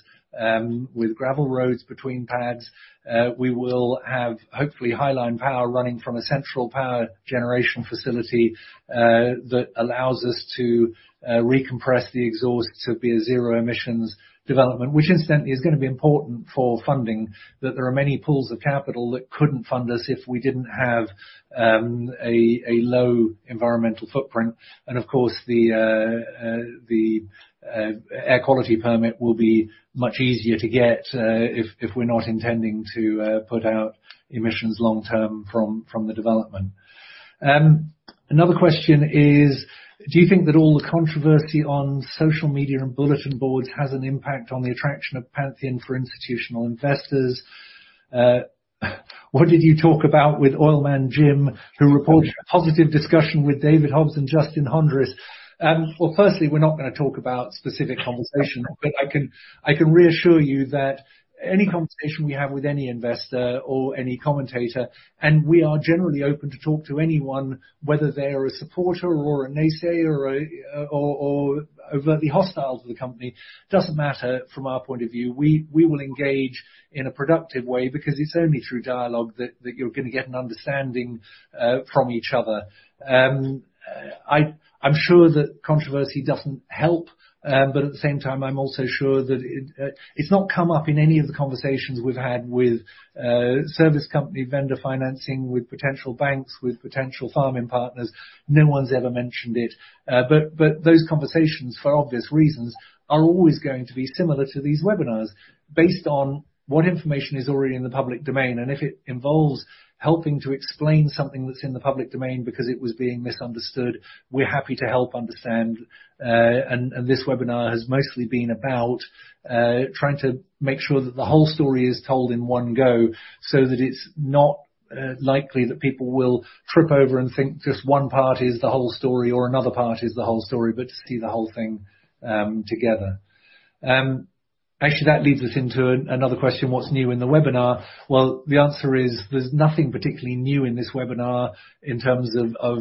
with gravel roads between pads. We will have, hopefully, highline power running from a central power generation facility that allows us to recompress the exhaust to be a zero emissions development. Which incidentally is gonna be important for funding, that there are many pools of capital that couldn't fund us if we didn't have a low environmental footprint. Of course, the air quality permit will be much easier to get if we're not intending to put out emissions long term from the development. Another question is, do you think that all the controversy on social media and bulletin boards has an impact on the attraction of Pantheon for institutional investors? What did you talk about with Oilman Jim, who reported a positive discussion with David Hobbs and Justin Hondris? Well, firstly, we're not gonna talk about specific conversations, but I can reassure you that any conversation we have with any investor or any commentator, and we are generally open to talk to anyone, whether they're a supporter or a naysayer or overtly hostile to the company, doesn't matter from our point of view. We will engage in a productive way because it's only through dialogue that you're gonna get an understanding from each other. I'm sure that controversy doesn't help, but at the same time, I'm also sure that it's not come up in any of the conversations we've had with service company vendor financing, with potential banks, with potential farm-in partners. No one's ever mentioned it. Those conversations, for obvious reasons, are always going to be similar to these webinars based on what information is already in the public domain. If it involves helping to explain something that's in the public domain because it was being misunderstood, we're happy to help understand. This webinar has mostly been about trying to make sure that the whole story is told in one go, so that it's not likely that people will trip over and think just one part is the whole story or another part is the whole story, but to see the whole thing together. Actually that leads us into another question. What's new in the webinar? Well, the answer is there's nothing particularly new in this webinar in terms of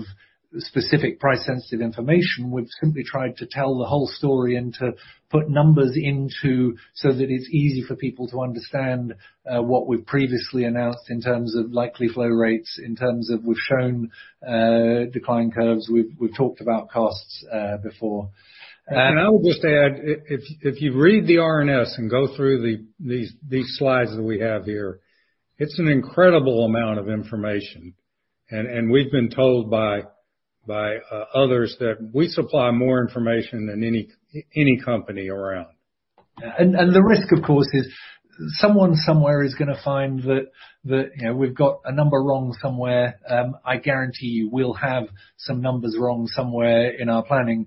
specific price sensitive information. We've simply tried to tell the whole story and to put numbers into so that it's easy for people to understand what we've previously announced in terms of likely flow rates, in terms of we've shown decline curves. We've talked about costs before. I would just add, if you read the RNS and go through these slides that we have here, it's an incredible amount of information. We've been told by others that we supply more information than any company around. Yeah. The risk, of course, is someone somewhere is gonna find that, you know, we've got a number wrong somewhere. I guarantee you we'll have some numbers wrong somewhere in our planning.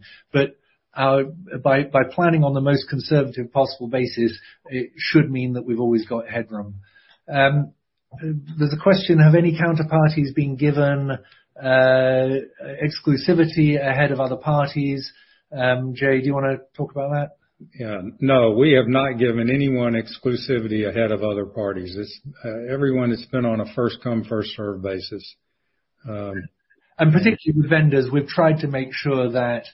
By planning on the most conservative possible basis, it should mean that we've always got headroom. There's a question. Have any counterparties been given exclusivity ahead of other parties? Jay, do you wanna talk about that? Yeah. No, we have not given anyone exclusivity ahead of other parties. It's, everyone has been on a first come, first serve basis. Particularly with vendors, we've tried to make sure that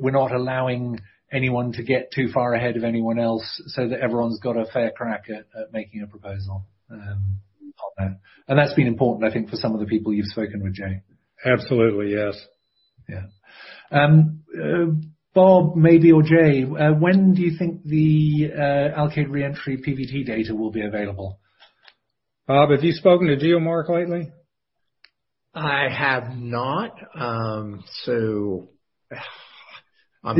we're not allowing anyone to get too far ahead of anyone else, so that everyone's got a fair crack at making a proposal. On there. That's been important, I think, for some of the people you've spoken with, Jay. Absolutely, yes. Yeah. Bob, maybe or Jay, when do you think the Alkaid reentry PVT data will be available? Bob, have you spoken to GeoMark lately? I have not. I'm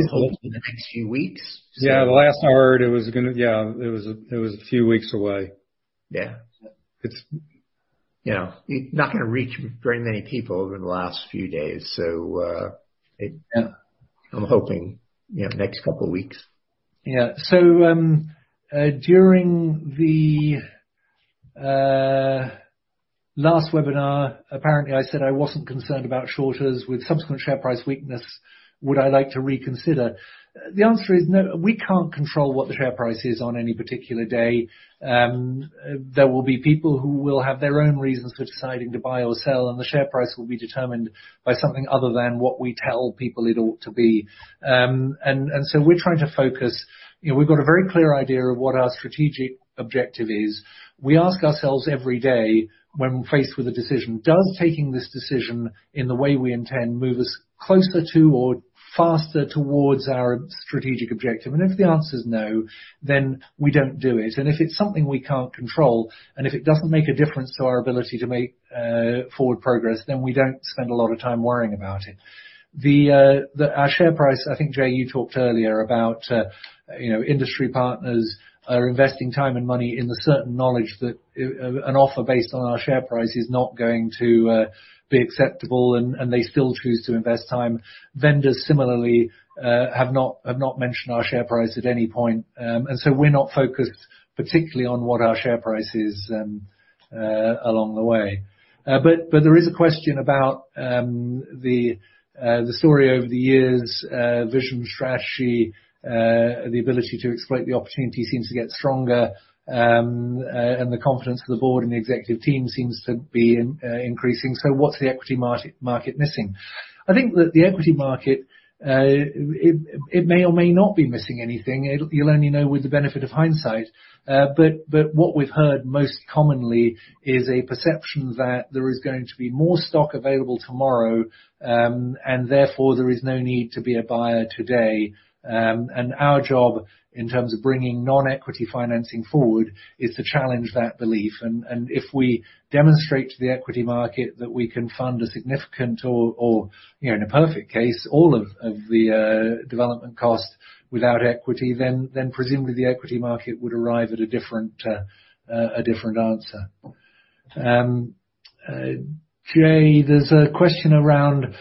hoping in the next few weeks. Yeah, it was a few weeks away. Yeah. It's, you know, not gonna reach very many people over the last few days, so, it Yeah. I'm hoping, you know, next couple of weeks. Yeah. During the last webinar, apparently I said I wasn't concerned about shorts. With subsequent share price weakness, would I like to reconsider? The answer is no. We can't control what the share price is on any particular day. There will be people who will have their own reasons for deciding to buy or sell, and the share price will be determined by something other than what we tell people it ought to be. We're trying to focus. You know, we've got a very clear idea of what our strategic objective is. We ask ourselves every day when we're faced with a decision, does taking this decision in the way we intend move us closer to or faster towards our strategic objective? If the answer is no, then we don't do it. If it's something we can't control, and if it doesn't make a difference to our ability to make forward progress, then we don't spend a lot of time worrying about it. Our share price, I think, Jay, you talked earlier about you know, industry partners are investing time and money in the certain knowledge that an offer based on our share price is not going to be acceptable, and they still choose to invest time. Vendors similarly have not mentioned our share price at any point. We're not focused particularly on what our share price is along the way. There is a question about the story over the years, vision strategy, the ability to exploit the opportunity seems to get stronger, and the confidence of the board and the executive team seems to be increasing. What's the equity market missing? I think that the equity market, it may or may not be missing anything. You'll only know with the benefit of hindsight. What we've heard most commonly is a perception that there is going to be more stock available tomorrow, and therefore there is no need to be a buyer today. Our job in terms of bringing non-equity financing forward is to challenge that belief. If we demonstrate to the equity market that we can fund a significant, you know, in a perfect case, all of the development costs without equity, then presumably the equity market would arrive at a different answer. Jay, there's a question around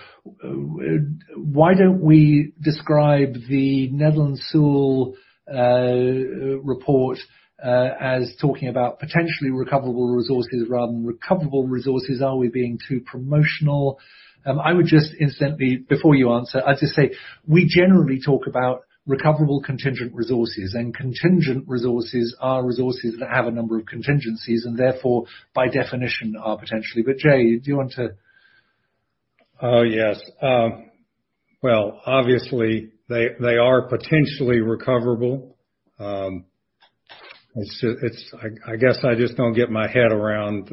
why don't we describe the Netherland, Sewell report as talking about potentially recoverable resources rather than recoverable resources? Are we being too promotional? I would just instantly, before you answer, I'd just say, we generally talk about recoverable contingent resources, and contingent resources are resources that have a number of contingencies, and therefore, by definition, are potentially. Jay, do you want to? Oh, yes. Well, obviously they are potentially recoverable. It's just I guess I just don't get my head around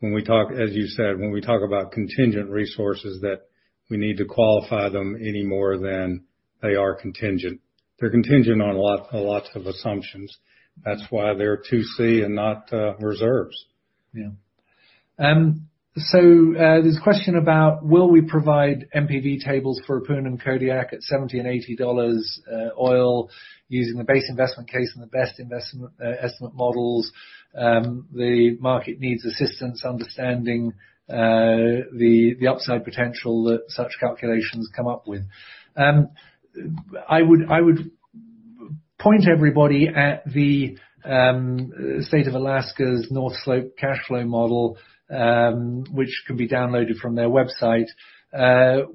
when we talk, as you said, when we talk about contingent resources, that we need to qualify them any more than they are contingent. They're contingent on lots of assumptions. That's why they're 2C and not reserves. Yeah. There's a question about will we provide NPV tables for Ahpun and Kodiak at $70 and $80 oil using the base investment case and the best investment estimate models. The market needs assistance understanding the upside potential that such calculations come up with. I would point everybody at the State of Alaska's North Slope cash flow model, which can be downloaded from their website.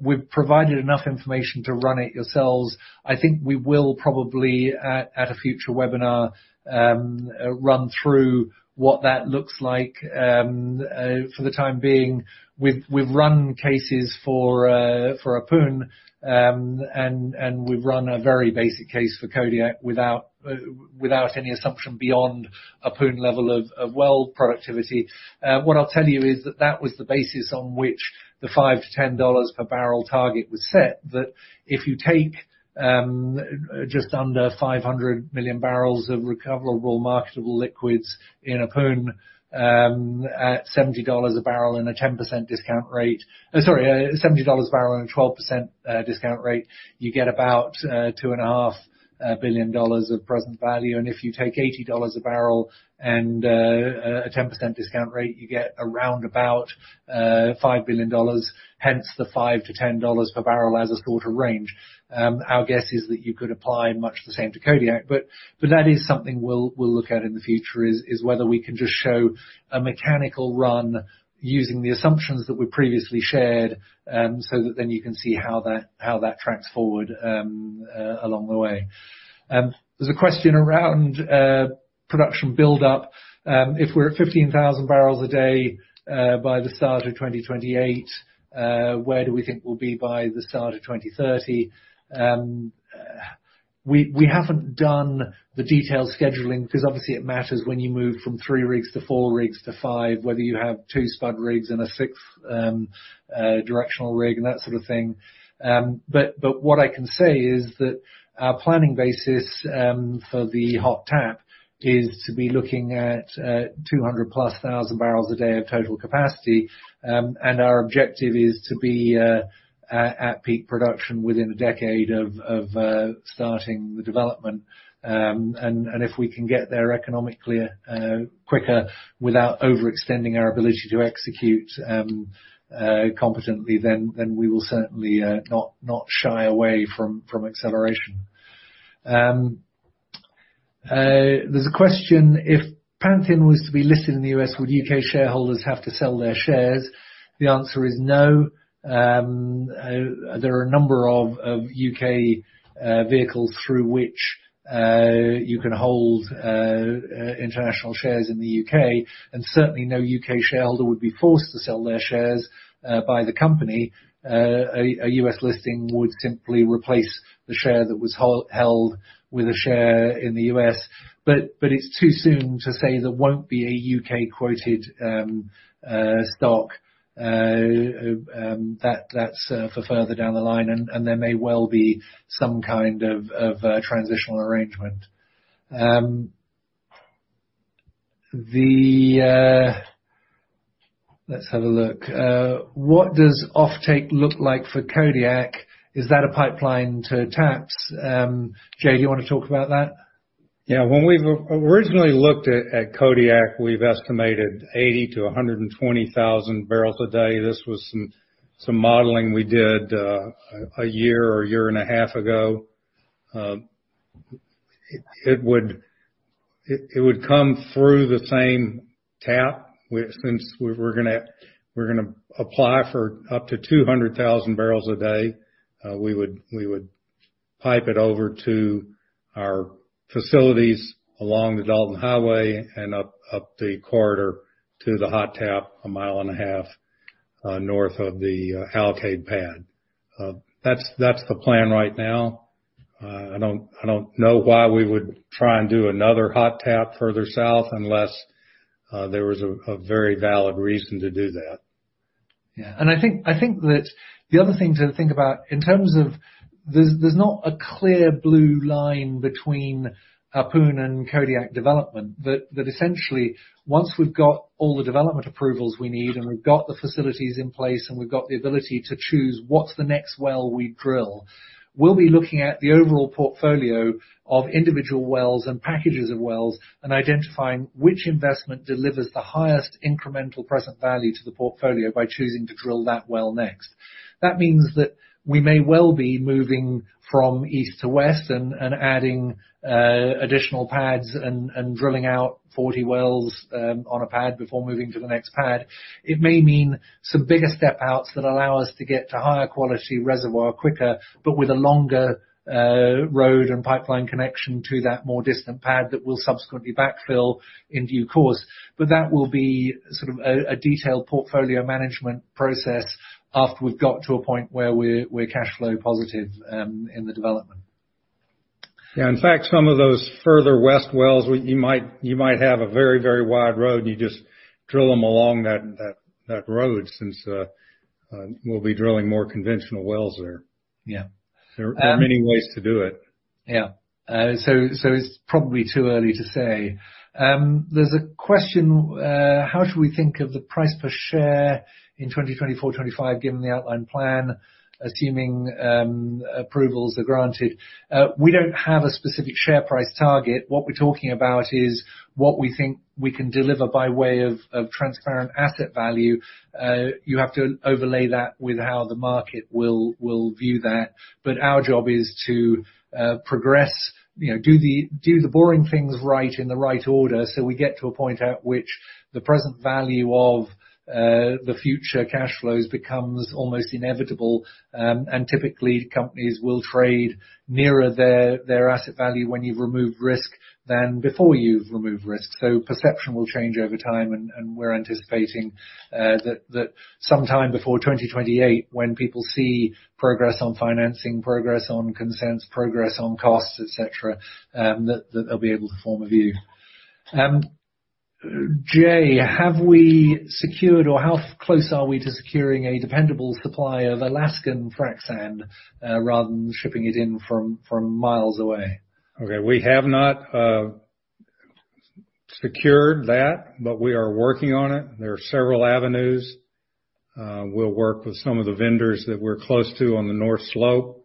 We've provided enough information to run it yourselves. I think we will probably at a future webinar run through what that looks like. For the time being, we've run cases for Ahpun, and we've run a very basic case for Kodiak without any assumption beyond Ahpun level of well productivity. What I'll tell you is that was the basis on which the $5-$10 per barrel target was set. That if you take just under 500 million barrels of recoverable marketable liquids in Ahpun at $70 a barrel and a 12% discount rate, you get about $2.5 billion of present value. If you take $80 a barrel and a 10% discount rate, you get around about $5 billion, hence the $5-$10 per barrel as a sort of range. Our guess is that you could apply much the same to Kodiak, but that is something we'll look at in the future, whether we can just show a mechanical run using the assumptions that we previously shared, so that then you can see how that tracks forward, along the way. There's a question around production build-up. If we're at 15,000 bpd by the start of 2028, where do we think we'll be by the start of 2030? We haven't done the detailed scheduling because obviously it matters when you move from 3 rigs to 4 rigs to 5, whether you have 2 spud rigs and a sixth directional rig and that sort of thing. What I can say is that our planning basis for the hot tap is to be looking at 200,000+ bpd of total capacity. Our objective is to be at peak production within a decade of starting the development. If we can get there economically quicker without overextending our ability to execute competently, then we will certainly not shy away from acceleration. There's a question, if Pantheon was to be listed in the U.S., would U.K. shareholders have to sell their shares? The answer is no. There are a number of U.K. vehicles through which you can hold international shares in the U.K., and certainly no U.K. shareholder would be forced to sell their shares by the company. A U.S. listing would simply replace the share that was held with a share in the U.S. It's too soon to say there won't be a U.K.-quoted stock. That's for further down the line and there may well be some kind of transitional arrangement. Let's have a look. What does offtake look like for Kodiak? Is that a pipeline to TAPS? Jay, do you wanna talk about that? Yeah. When we originally looked at Kodiak, we've estimated 80,000-120,000 bpd. This was some modeling we did a year or a year and a half ago. It would come through the same tap, which since we're gonna apply for up to 200,000 bpd, we would pipe it over to our facilities along the Dalton Highway and up the corridor to the hot tap 1.5 mi north of the Alkaid pad. That's the plan right now. I don't know why we would try and do another hot tap further south unless there was a very valid reason to do that. Yeah. I think that the other thing to think about in terms of there's not a clear blue line between Ahpun and Kodiak development. That essentially once we've got all the development approvals we need and we've got the facilities in place and we've got the ability to choose what's the next well we drill, we'll be looking at the overall portfolio of individual wells and packages of wells and identifying which investment delivers the highest incremental present value to the portfolio by choosing to drill that well next. That means that we may well be moving from east to west and adding additional pads and drilling out 40 wells on a pad before moving to the next pad. It may mean some bigger step outs that allow us to get to higher quality reservoir quicker, but with a longer road and pipeline connection to that more distant pad that we'll subsequently backfill in due course. That will be sort of a detailed portfolio management process after we've got to a point where we're cash flow positive in the development. Yeah. In fact, some of those further west wells, you might have a very, very wide road, and you just drill them along that road since we'll be drilling more conventional wells there. Yeah. There are many ways to do it. It's probably too early to say. There's a question, how should we think of the price per share in 2024-2025 given the outline plan, assuming approvals are granted? We don't have a specific share price target. What we're talking about is what we think we can deliver by way of transparent asset value. You have to overlay that with how the market will view that. Our job is to progress. You know, do the boring things right in the right order, so we get to a point at which the present value of the future cash flows becomes almost inevitable. Typically, companies will trade nearer their asset value when you've removed risk than before you've removed risk. Perception will change over time, and we're anticipating that sometime before 2028, when people see progress on financing, progress on consents, progress on costs, et cetera, that they'll be able to form a view. Jay, have we secured or how close are we to securing a dependable supply of Alaskan frac sand, rather than shipping it in from miles away? Okay. We have not secured that, but we are working on it. There are several avenues. We'll work with some of the vendors that we're close to on the North Slope.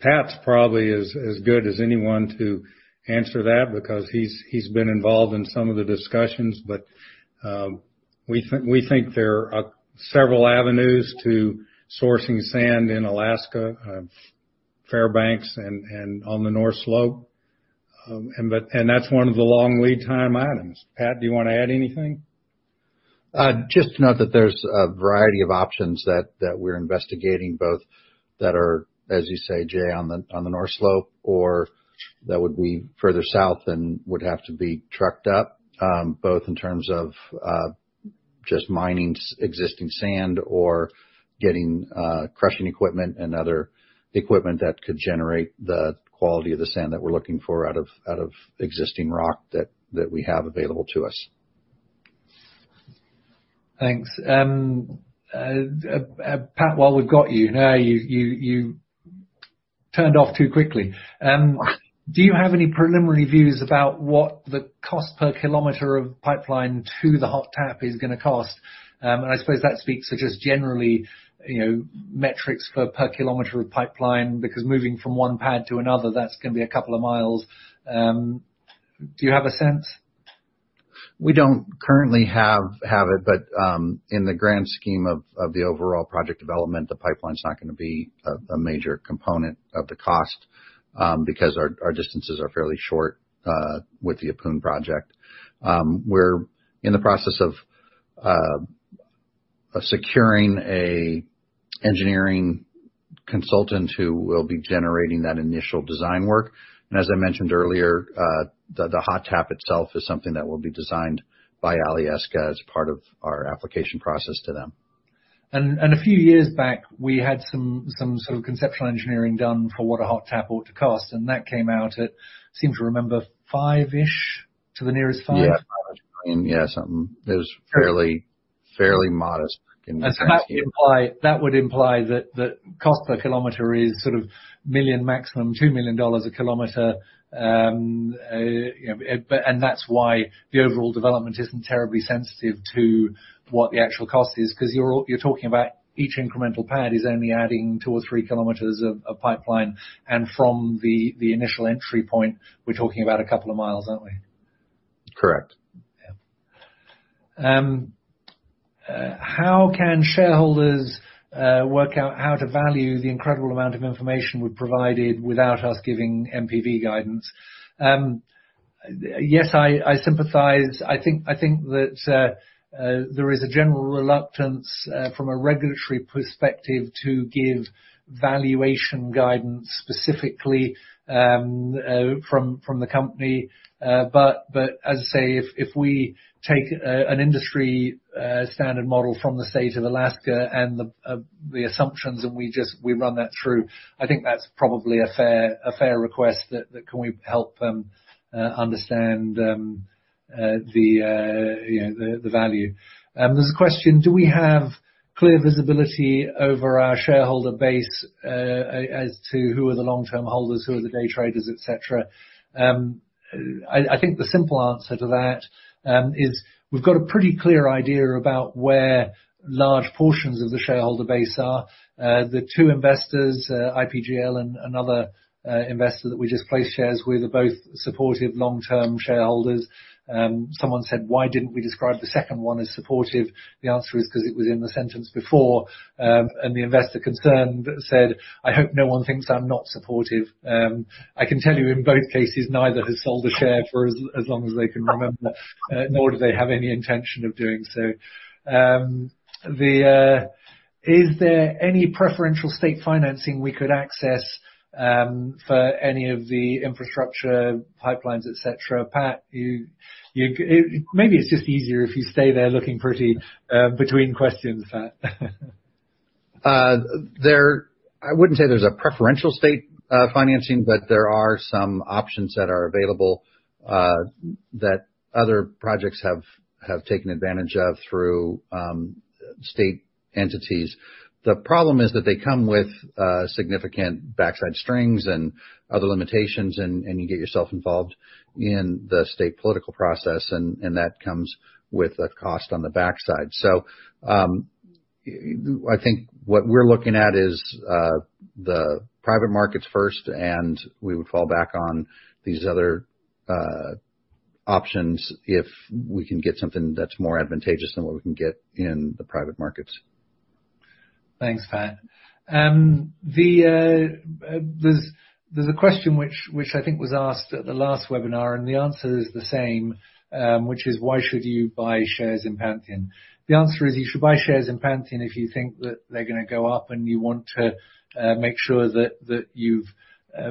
Pat's probably as good as anyone to answer that because he's been involved in some of the discussions. We think there are several avenues to sourcing sand in Alaska, Fairbanks and on the North Slope. That's one of the long lead time items. Pat, do you wanna add anything? Just to note that there's a variety of options that we're investigating, both that are, as you say, Jay, on the North Slope, or that would be further south and would have to be trucked up, both in terms of just mining existing sand or getting crushing equipment and other equipment that could generate the quality of the sand that we're looking for out of existing rock that we have available to us. Thanks. Pat, while we've got you. Now, you turned off too quickly. Do you have any preliminary views about what the cost per kilometer of pipeline to the hot tap is gonna cost? I suppose that speaks to just generally, you know, metrics for per kilometer of pipeline, because moving from one pad to another, that's gonna be a couple of miles. Do you have a sense? We don't currently have it, but in the grand scheme of the overall project development, the pipeline's not gonna be a major component of the cost, because our distances are fairly short with the Ahpun project. We're in the process of securing an engineering consultant who will be generating that initial design work. As I mentioned earlier, the hot tap itself is something that will be designed by Alyeska as part of our application process to them. A few years back, we had some sort of conceptual engineering done for what a hot tap ought to cost, and that came out at, I seem to remember $5-ish to the nearest $5. Yeah. Five-ish. I mean, yeah, something. It was fairly modest in- That would imply that the cost per kilometer is sort of million maximum, $2 million a kilometer. That's why the overall development isn't terribly sensitive to what the actual cost is, 'cause you're talking about each incremental pad is only adding 2 or 3 km of pipeline. From the initial entry point, we're talking about a couple of miles, aren't we? Correct. Yeah. How can shareholders work out how to value the incredible amount of information we've provided without us giving NPV guidance? Yes, I sympathize. I think that there is a general reluctance from a regulatory perspective to give valuation guidance specifically from the company. But as I say, if we take an industry standard model from the State of Alaska and the assumptions and we just run that through, I think that's probably a fair request that we can help them understand, you know, the value. There's a question. Do we have clear visibility over our shareholder base as to who are the long-term holders, who are the day traders, et cetera? I think the simple answer to that is we've got a pretty clear idea about where large portions of the shareholder base are. The two investors, IPGL and another investor that we just placed shares with, are both supportive long-term shareholders. Someone said, "Why didn't we describe the second one as supportive?" The answer is 'cause it was in the sentence before. The investor concerned said, "I hope no one thinks I'm not supportive." I can tell you in both cases, neither has sold a share for as long as they can remember, nor do they have any intention of doing so. Is there any preferential state financing we could access for any of the infrastructure pipelines, et cetera? Pat, maybe it's just easier if you stay there looking pretty, between questions, Pat. I wouldn't say there's a preferential state financing, but there are some options that are available that other projects have taken advantage of through state entities. The problem is that they come with significant backside strings and other limitations and you get yourself involved in the state political process, and that comes with a cost on the backside. I think what we're looking at is the private markets first, and we would fall back on these other options if we can get something that's more advantageous than what we can get in the private markets. Thanks, Pat. There's a question which I think was asked at the last webinar, and the answer is the same, which is why should you buy shares in Pantheon? The answer is you should buy shares in Pantheon if you think that they're gonna go up and you want to make sure that you've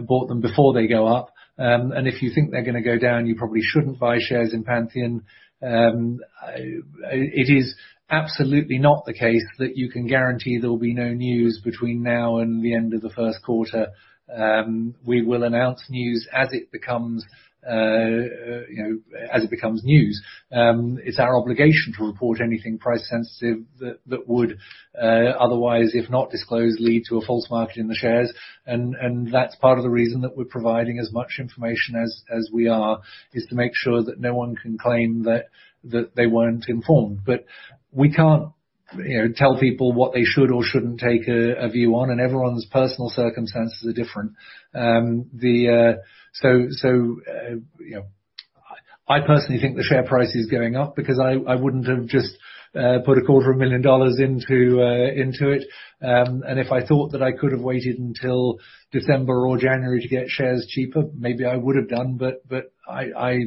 bought them before they go up. If you think they're gonna go down, you probably shouldn't buy shares in Pantheon. It is absolutely not the case that you can guarantee there will be no news between now and the end of the first quarter. We will announce news as it becomes, you know, as it becomes news. It's our obligation to report anything price sensitive that would otherwise, if not disclosed, lead to a false market in the shares, and that's part of the reason that we're providing as much information as we are, is to make sure that no one can claim that they weren't informed. We can't, you know, tell people what they should or shouldn't take a view on, and everyone's personal circumstances are different. You know, I personally think the share price is going up because I wouldn't have just put a quarter of a million dollars into it. If I thought that I could have waited until December or January to get shares cheaper, maybe I would have done. I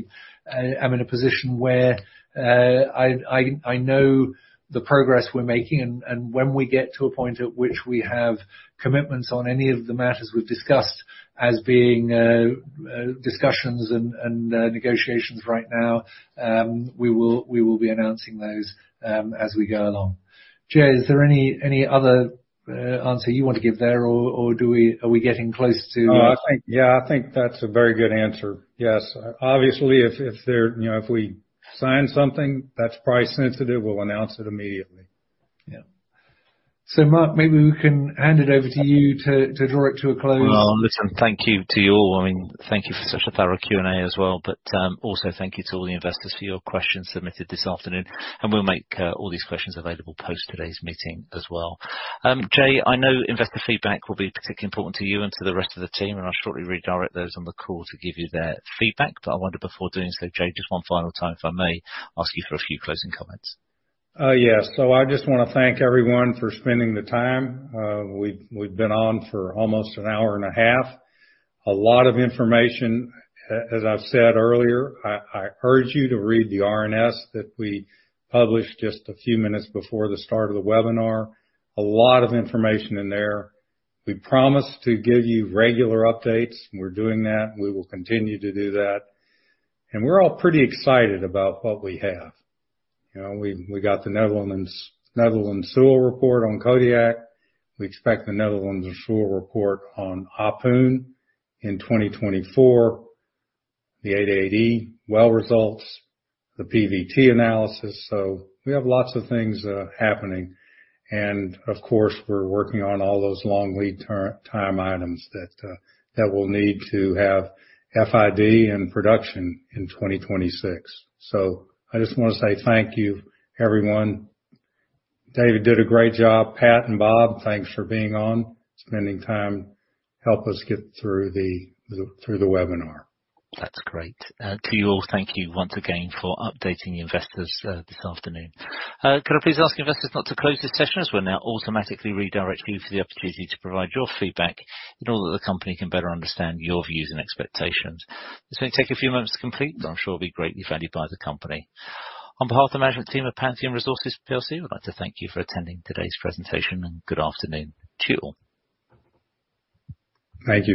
am in a position where I know the progress we're making and when we get to a point at which we have commitments on any of the matters we've discussed as being discussions and negotiations right now, we will be announcing those as we go along. Jay, is there any other answer you want to give there or are we getting close to- Yeah, I think that's a very good answer. Yes. Obviously, you know, if we sign something that's price sensitive, we'll announce it immediately. Yeah. Mark, maybe we can hand it over to you to draw it to a close. Well, listen, thank you to you all. I mean, thank you for such a thorough Q&A as well. Also thank you to all the investors for your questions submitted this afternoon. We'll make all these questions available post today's meeting as well. Jay, I know investor feedback will be particularly important to you and to the rest of the team, and I'll shortly redirect those on the call to give you their feedback. I wonder before doing so, Jay, just one final time, if I may ask you for a few closing comments. Yes. I just wanna thank everyone for spending the time. We've been on for almost an hour and a half. A lot of information. As I've said earlier, I urge you to read the RNS that we published just a few minutes before the start of the webinar. A lot of information in there. We promise to give you regular updates, and we're doing that, and we will continue to do that. We're all pretty excited about what we have. You know, we got the Netherland Sewell report on Kodiak. We expect the Netherland Sewell report on Ahpun in 2024. The Alkaid well results, the PVT analysis. We have lots of things happening. Of course, we're working on all those long lead time items that we'll need to have FID and production in 2026. I just wanna say thank you, everyone. David did a great job. Pat and Bob, thanks for being on, spending time, help us get through the webinar. That's great. To you all, thank you once again for updating the investors this afternoon. Can I please ask investors not to close this session, as we'll now automatically redirect you for the opportunity to provide your feedback in order that the company can better understand your views and expectations. This may take a few moments to complete, but I'm sure it'll be greatly valued by the company. On behalf of the management team at Pantheon Resources plc, we'd like to thank you for attending today's presentation, and good afternoon to you all. Thank you.